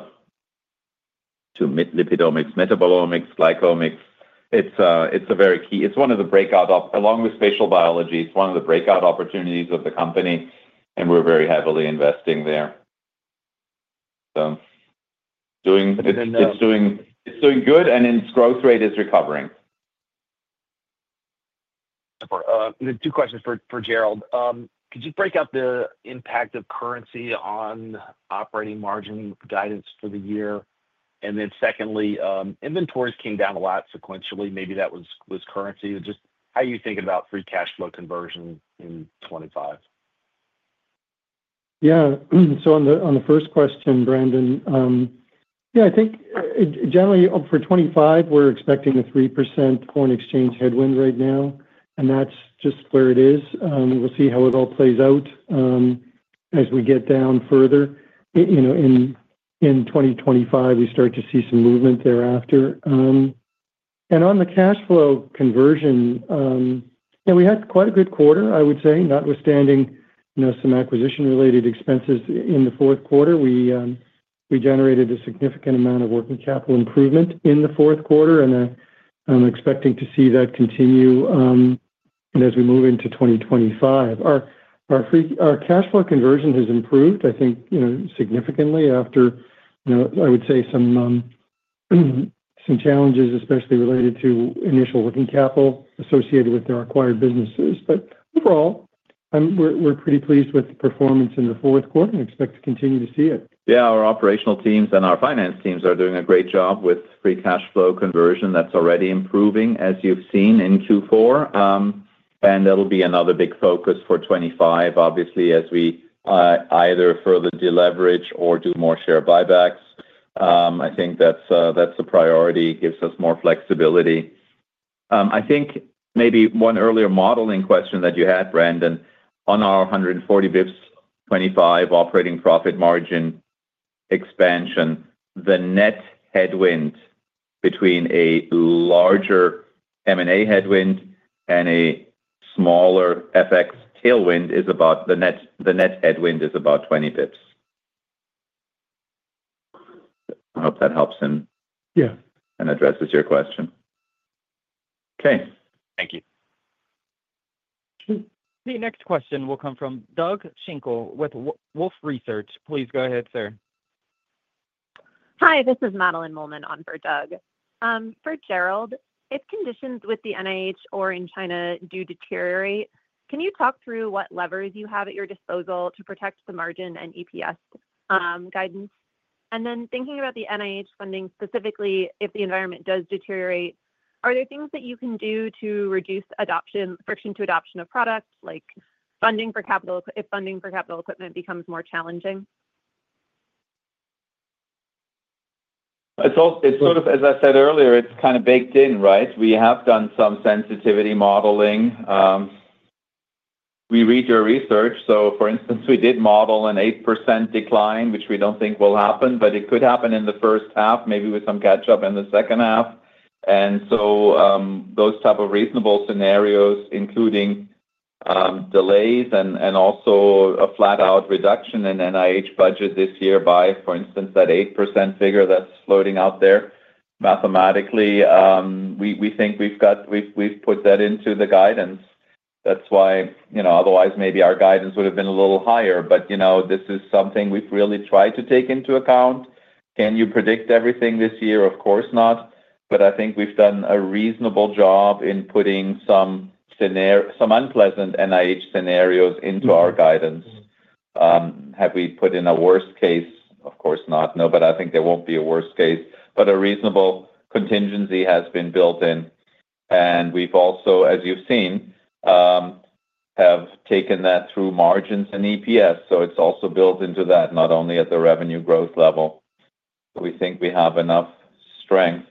lipidomics, metabolomics, glycomics. It's a very key, it's one of the breakout, along with spatial biology, it's one of the breakout opportunities of the company, and we're very heavily investing there. So it's doing good, and its growth rate is recovering. Two questions for Gerald. Could you break out the impact of currency on operating margin guidance for the year? And then secondly, inventories came down a lot sequentially. Maybe that was currency. Just how you think about free cash flow conversion in 2025? Yeah. So on the first question, Brandon, yeah, I think generally for 2025, we're expecting a 3% foreign exchange headwind right now, and that's just where it is. We'll see how it all plays out as we get down further. In 2025, we start to see some movement thereafter. On the cash flow conversion, yeah, we had quite a good quarter, I would say, notwithstanding some acquisition-related expenses in the fourth quarter. We generated a significant amount of working capital improvement in the fourth quarter, and I'm expecting to see that continue as we move into 2025. Our cash flow conversion has improved, I think, significantly after, I would say, some challenges, especially related to initial working capital associated with our acquired businesses. Overall, we're pretty pleased with performance in the fourth quarter and expect to continue to see it. Yeah. Our operational teams and our finance teams are doing a great job with free cash flow conversion. That's already improving, as you've seen in Q4. That'll be another big focus for 2025, obviously, as we either further deleverage or do more share buybacks. I think that's a priority. It gives us more flexibility. I think maybe one earlier modeling question that you had, Brandon, on our 140 basis points 2025 operating profit margin expansion, the net headwind between a larger M&A headwind and a smaller FX tailwind is about 20 basis points. I hope that helps and addresses your question. Okay. Thank you. The next question will come from Doug Schenkel with Wolfe Research. Please go ahead, sir. Hi. This is Madeline Mollman on for Doug. For Gerald, if conditions with the NIH or in China do deteriorate, can you talk through what levers you have at your disposal to protect the margin and EPS guidance? And then thinking about the NIH funding specifically, if the environment does deteriorate, are there things that you can do to reduce friction to adoption of products, like funding for capital if funding for capital equipment becomes more challenging? It's sort of, as I said earlier, it's kind of baked in, right? We have done some sensitivity modeling. We read your research. So for instance, we did model an 8% decline, which we don't think will happen, but it could happen in the first half, maybe with some catch-up in the second half. And so those type of reasonable scenarios, including delays and also a flat-out reduction in NIH budget this year by, for instance, that 8% figure that's floating out there, mathematically, we think we've put that into the guidance. That's why otherwise maybe our guidance would have been a little higher. But this is something we've really tried to take into account. Can you predict everything this year? Of course not. But I think we've done a reasonable job in putting some unpleasant NIH scenarios into our guidance. Have we put in a worst case? Of course not. No, but I think there won't be a worst case. But a reasonable contingency has been built in. And we've also, as you've seen, taken that through margins and EPS. So it's also built into that, not only at the revenue growth level. So we think we have enough strength.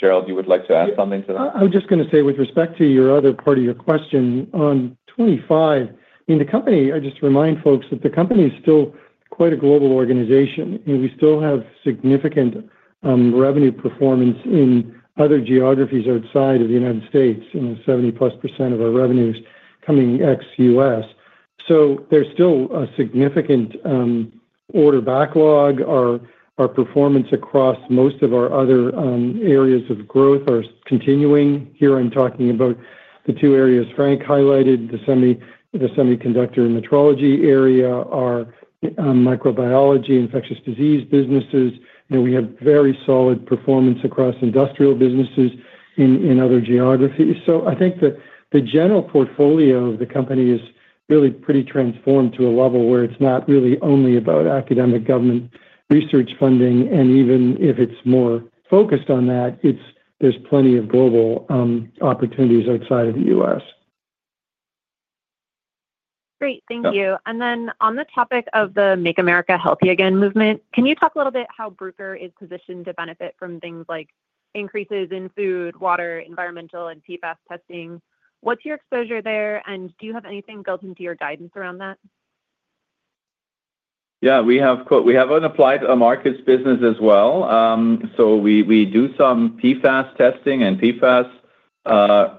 Gerald, you would like to add something to that? I was just going to say, with respect to your other part of your question on 2025, I mean, the company—I just remind folks that the company is still quite a global organization. We still have significant revenue performance in other geographies outside of the United States, 70-plus% of our revenues coming ex-US. So there's still a significant order backlog. Our performance across most of our other areas of growth are continuing. Here I'm talking about the two areas Frank highlighted, the semiconductor metrology area, our microbiology, infectious disease businesses. We have very solid performance across industrial businesses in other geographies. So I think the general portfolio of the company is really pretty transformed to a level where it's not really only about academic government research funding. And even if it's more focused on that, there's plenty of global opportunities outside of the US. Great. Thank you. And then on the topic of the Make America Healthy Again movement, can you talk a little bit how Bruker is positioned to benefit from things like increases in food, water, environmental, and PFAS testing? What's your exposure there, and do you have anything built into your guidance around that? Yeah. We have an applied markets business as well. So we do some PFAS testing and PFAS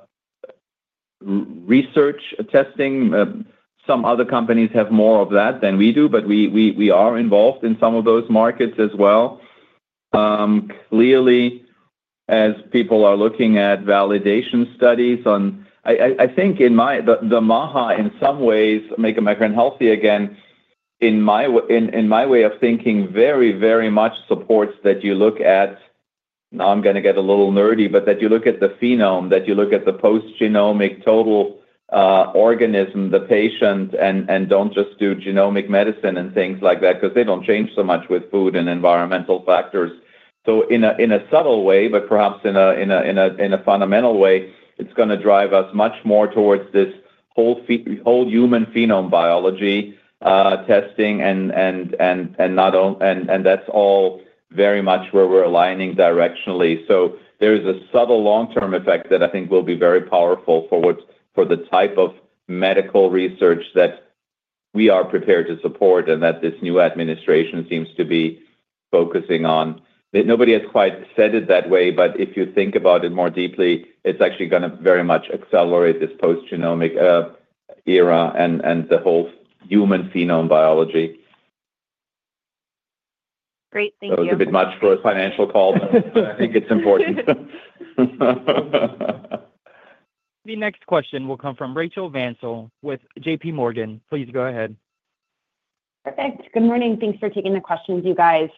research testing. Some other companies have more of that than we do, but we are involved in some of those markets as well. Clearly, as people are looking at validation studies on, I think, the MAHA, in some ways, Make America Healthy Again, in my way of thinking, very, very much supports that you look at, now I'm going to get a little nerdy, but that you look at the phenome, that you look at the post-genomic total organism, the patient, and don't just do genomic medicine and things like that because they don't change so much with food and environmental factors. So in a subtle way, but perhaps in a fundamental way, it's going to drive us much more towards this whole human phenome biology testing, and that's all very much where we're aligning directionally. So there is a subtle long-term effect that I think will be very powerful for the type of medical research that we are prepared to support and that this new administration seems to be focusing on. Nobody has quite said it that way, but if you think about it more deeply, it's actually going to very much accelerate this post-genomic era and the whole human phenome biology. Great. Thank you. I was a bit much for a financial call, but I think it's important. The next question will come from Rachel Vatnsdal with JPMorgan. Please go ahead. Perfect. Good morning. Thanks for taking the questions, you guys.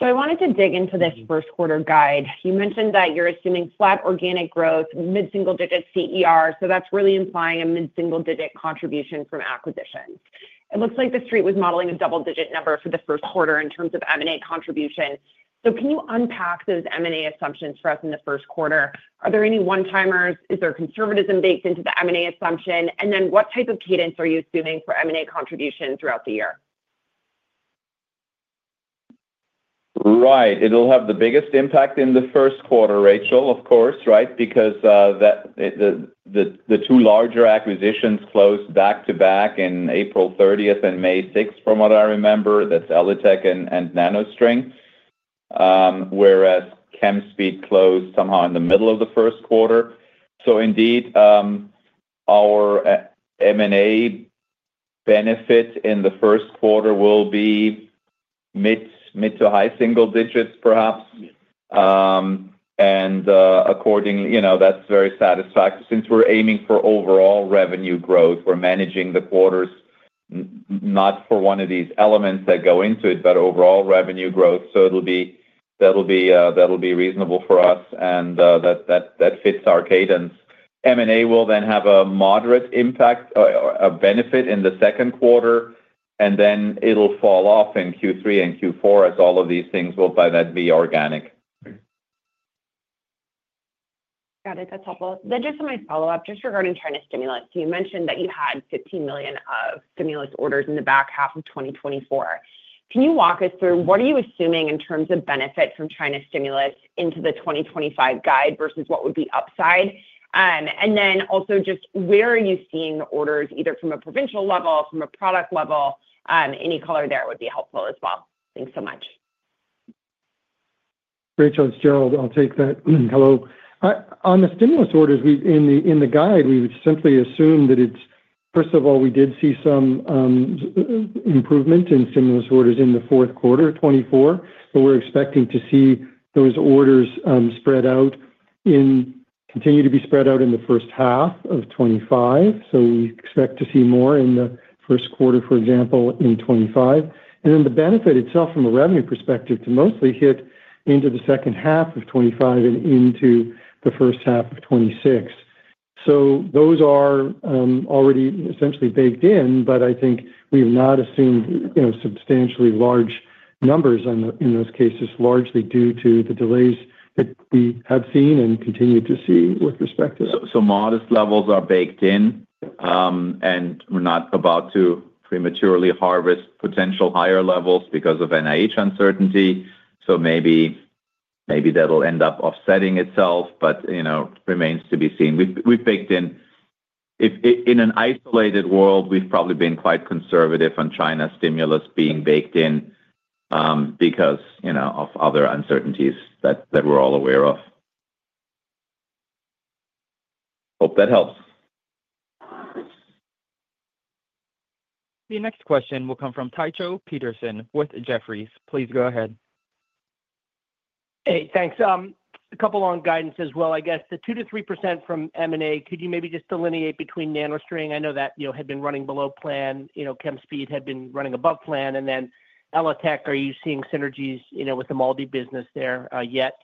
So I wanted to dig into this first-quarter guide. You mentioned that you're assuming flat organic growth, mid-single-digit CER. So that's really implying a mid-single-digit contribution from acquisitions. It looks like the Street was modeling a double-digit number for the first quarter in terms of M&A contribution. So can you unpack those M&A assumptions for us in the first quarter? Are there any one-timers? Is there conservatism baked into the M&A assumption? And then what type of cadence are you assuming for M&A contribution throughout the year? Right. It'll have the biggest impact in the first quarter, Rachel, of course, right? Because the two larger acquisitions closed back to back in April 30th and May 6th, from what I remember, that's ELITech and NanoString, whereas ChemSpeed closed somehow in the middle of the first quarter. So indeed, our M&A benefit in the first quarter will be mid to high single digits, perhaps. And accordingly, that's very satisfactory since we're aiming for overall revenue growth. We're managing the quarters not for one of these elements that go into it, but overall revenue growth. So that'll be reasonable for us, and that fits our cadence. M&A will then have a moderate impact, a benefit in the second quarter, and then it'll fall off in Q3 and Q4 as all of these things will, by that, be organic. Got it. That's helpful. Then just a quick follow-up just regarding China stimulus. You mentioned that you had $15 million of stimulus orders in the back half of 2024. Can you walk us through what are you assuming in terms of benefit from China stimulus into the 2025 guide versus what would be upside? And then also just where are you seeing the orders, either from a provincial level, from a product level? Any color there would be helpful as well. Thanks so much. Rachel, it's Gerald. I'll take that. Hello. On the stimulus orders, in the guide, we would simply assume that it's first of all, we did see some improvement in stimulus orders in the fourth quarter of 2024, but we're expecting to see those orders continue to be spread out in the first half of 2025. So we expect to see more in the first quarter, for example, in 2025. And then the benefit itself, from a revenue perspective, to mostly hit into the second half of 2025 and into the first half of 2026. So those are already essentially baked in, but I think we have not assumed substantially large numbers in those cases, largely due to the delays that we have seen and continue to see with respect to that. So modest levels are baked in, and we're not about to prematurely harvest potential higher levels because of NIH uncertainty. So maybe that'll end up offsetting itself, but remains to be seen. In an isolated world, we've probably been quite conservative on China stimulus being baked in because of other uncertainties that we're all aware of. Hope that helps. The next question will come from Tycho Peterson with Jefferies. Please go ahead. Hey, thanks. A couple of long guidances. Well, I guess the 2%-3% from M&A, could you maybe just delineate between NanoString? I know that had been running below plan. Chemspeed had been running above plan. And then ELITech, are you seeing synergies with the MALDI business there yet?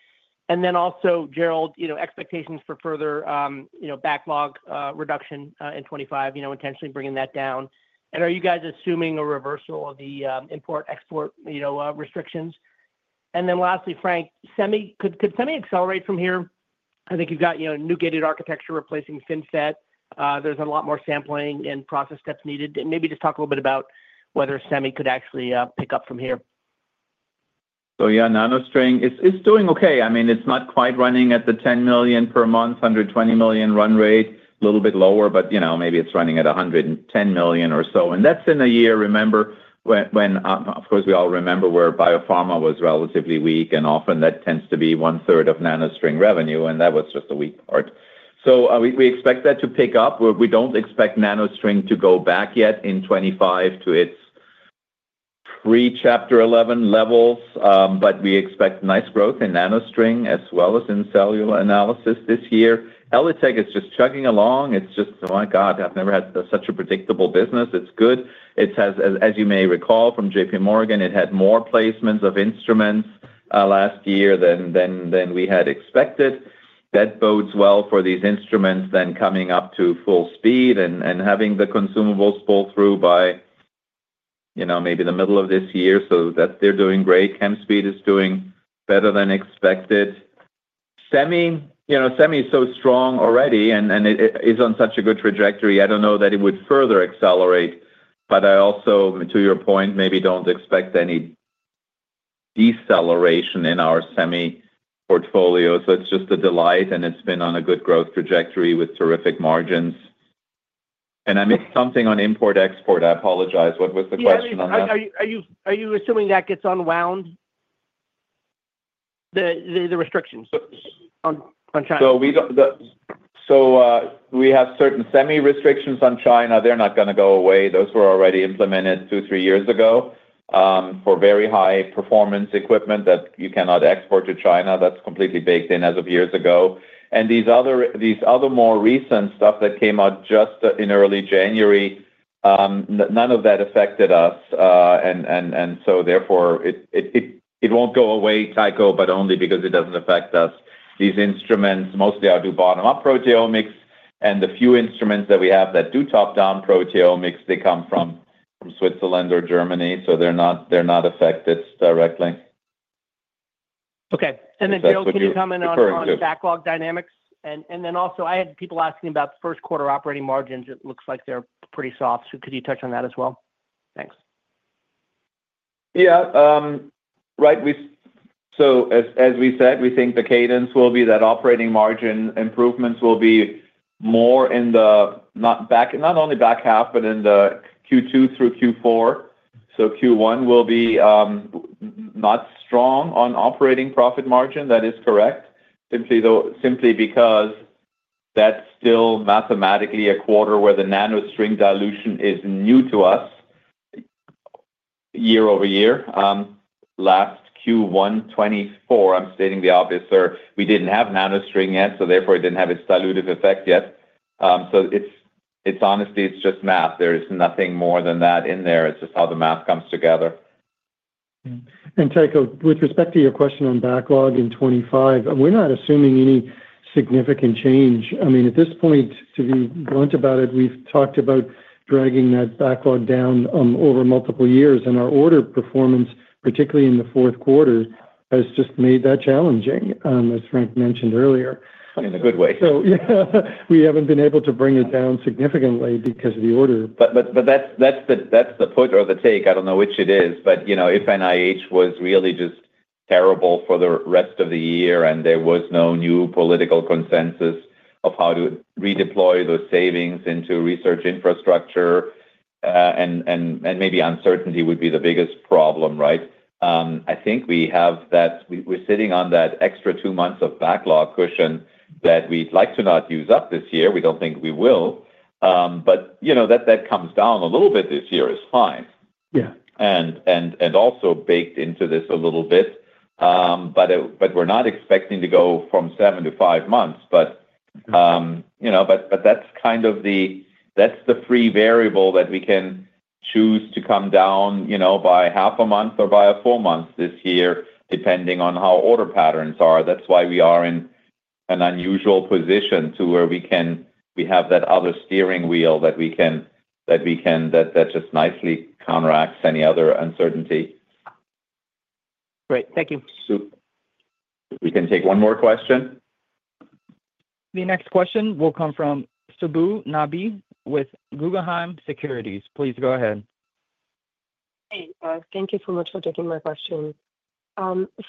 And then also, Gerald, expectations for further backlog reduction in 2025, intentionally bringing that down. And are you guys assuming a reversal of the import-export restrictions? And then lastly, Frank, could Semi accelerate from here? I think you've got new gated architecture replacing FinFET. There's a lot more sampling and process steps needed. And maybe just talk a little bit about whether Semi could actually pick up from here. So yeah, NanoString is doing okay. I mean, it's not quite running at the $10 million per month, $120 million run rate, a little bit lower, but maybe it's running at $110 million or so. And that's in a year, remember, when of course, we all remember where biopharma was relatively weak, and often that tends to be one-third of NanoString revenue, and that was just a weak part. So we expect that to pick up. We don't expect NanoString to go back yet in 2025 to its pre-Chapter 11 levels, but we expect nice growth in NanoString as well as in cellular analysis this year. ELITech is just chugging along. It's just, "Oh my God, I've never had such a predictable business." It's good. As you may recall from JPMorgan, it had more placements of instruments last year than we had expected. That bodes well for these instruments then coming up to full speed and having the consumables pull through by maybe the middle of this year. So they're doing great. Chemspeed is doing better than expected. Semi is so strong already and is on such a good trajectory. I don't know that it would further accelerate, but I also, to your point, maybe don't expect any deceleration in our Semi portfolio. So it's just a delight, and it's been on a good growth trajectory with terrific margins. And I missed something on import-export. I apologize. What was the question on that? Are you assuming that gets unwound, the restrictions on China? So we have certain Semi restrictions on China. They're not going to go away. Those were already implemented two or three years ago for very high-performance equipment that you cannot export to China. That's completely baked in as of years ago. And these other more recent stuff that came out just in early January, none of that affected us. And so therefore, it won't go away, Tycho, but only because it doesn't affect us. These instruments mostly do bottom-up proteomics, and the few instruments that we have that do top-down proteomics, they come from Switzerland or Germany, so they're not affected directly. Okay. And then, Gerald, could you comment on backlog dynamics? And then also, I had people asking about first-quarter operating margins. It looks like they're pretty soft. So could you touch on that as well? Thanks. Yeah. Right. So as we said, we think the cadence will be that operating margin improvements will be more in the not only back half, but in the Q2 through Q4. So Q1 will be not strong on operating profit margin. That is correct, simply because that's still mathematically a quarter where the NanoString dilution is new to us year-over-year. Last Q1 2024, I'm stating the obvious, sir. We didn't have NanoString yet, so therefore, it didn't have its dilutive effect yet. So honestly, it's just math. There is nothing more than that in there. It's just how the math comes together. And Tycho, with respect to your question on backlog in 2025, we're not assuming any significant change. I mean, at this point, to be blunt about it, we've talked about dragging that backlog down over multiple years, and our order performance, particularly in the fourth quarter, has just made that challenging, as Frank mentioned earlier. In a good way. So yeah, we haven't been able to bring it down significantly because of the order. But that's the point or the take. I don't know which it is, but if NIH was really just terrible for the rest of the year and there was no new political consensus of how to redeploy those savings into research infrastructure, and maybe uncertainty would be the biggest problem, right? I think we have that we're sitting on that extra two months of backlog cushion that we'd like to not use up this year. We don't think we will. But that comes down a little bit this year is fine. And also baked into this a little bit, but we're not expecting to go from seven to five months. But that's kind of the free variable that we can choose to come down by half a month or by a full month this year, depending on how order patterns are. That's why we are in an unusual position to where we have that other steering wheel that we can just nicely counteracts any other uncertainty. Great. Thank you. We can take one more question. The next question will come from Subbu Nambi with Guggenheim Securities. Please go ahead. Hey, thank you so much for taking my question.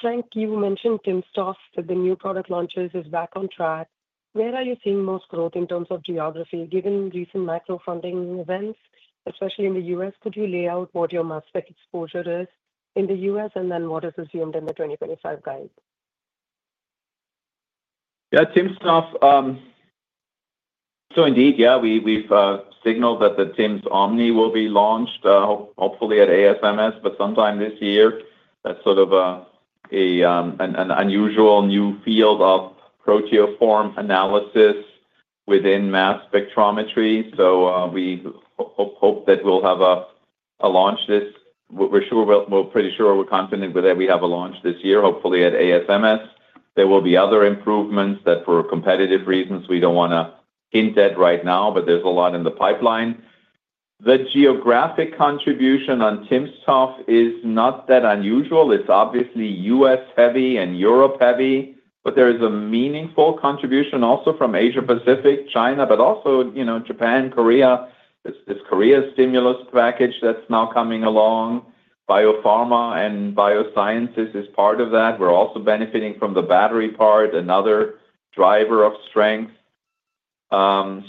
Frank, you mentioned timsTOF that the new product launches is back on track. Where are you seeing most growth in terms of geography given recent micro-funding events, especially in the U.S.? Could you lay out what your mass spec exposure is in the U.S., and then what is assumed in the 2025 guide? Yeah, timsTOF. So indeed, yeah, we've signaled that the TimsOmni will be launched, hopefully at ASMS, but sometime this year. That's sort of an unusual new field of proteoform analysis within mass spectrometry. So we hope that we'll have a launch this. We're pretty sure we're confident that we have a launch this year, hopefully at ASMS. There will be other improvements that, for competitive reasons, we don't want to hint at right now, but there's a lot in the pipeline. The geographic contribution on timsTOF is not that unusual. It's obviously U.S.-heavy and Europe-heavy, but there is a meaningful contribution also from Asia-Pacific, China, but also Japan, Korea. It's Korea's stimulus package that's now coming along. Biopharma and biosciences is part of that. We're also benefiting from the battery part, another driver of strength. So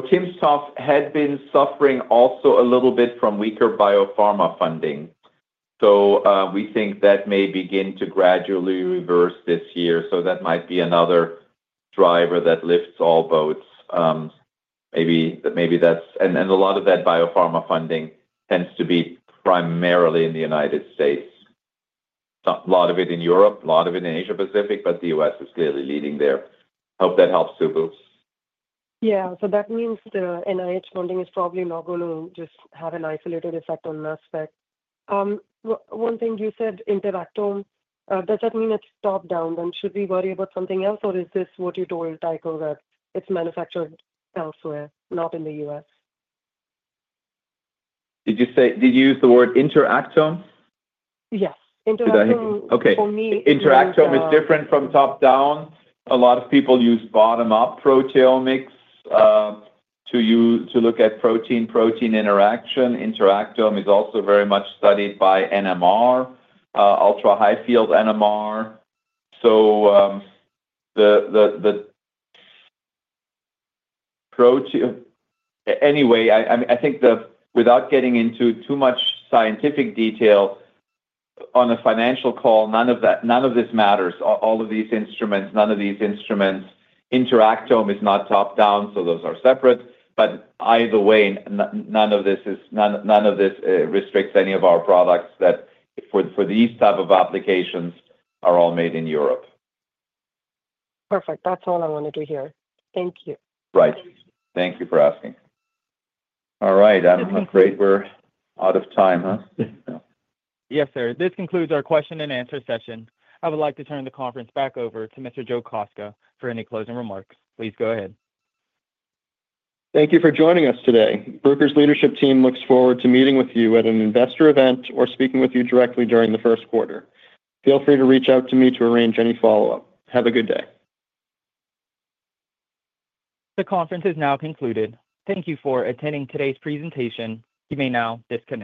timsTOF had been suffering also a little bit from weaker biopharma funding. So we think that may begin to gradually reverse this year. So that might be another driver that lifts all boats. Maybe that's, and a lot of that biopharma funding tends to be primarily in the United States. A lot of it in Europe, a lot of it in Asia-Pacific, but the U.S. is clearly leading there. Hope that helps, Subbu. Yeah. So that means the NIH funding is probably not going to just have an isolated effect on mass spec. One thing you said, interactome, does that mean it's top-down? Then should we worry about something else, or is this what you told Tycho that it's manufactured elsewhere, not in the U.S.? Did you use the word interactome? Yes. Interactome, for me, is different. Interactome is different from top-down. A lot of people use bottom-up proteomics to look at protein-protein interaction. Interactome is also very much studied by NMR, ultra-high field NMR. So anyway, I think without getting into too much scientific detail on a financial call, none of this matters. All of these instruments, none of these instruments. Interactome is not top-down, so those are separate. But either way, none of this restricts any of our products that, for these types of applications, are all made in Europe. Perfect. That's all I wanted to hear. Thank you. Right. Thank you for asking. All right. I'm afraid we're out of time, huh? Yes, sir. This concludes our question-and-answer session. I would like to turn the conference back over to Mr. Joe Kostka for any closing remarks. Please go ahead. Thank you for joining us today. Bruker's leadership team looks forward to meeting with you at an investor event or speaking with you directly during the first quarter. Feel free to reach out to me to arrange any follow-up. Have a good day. The conference is now concluded. Thank you for attending today's presentation. You may now disconnect.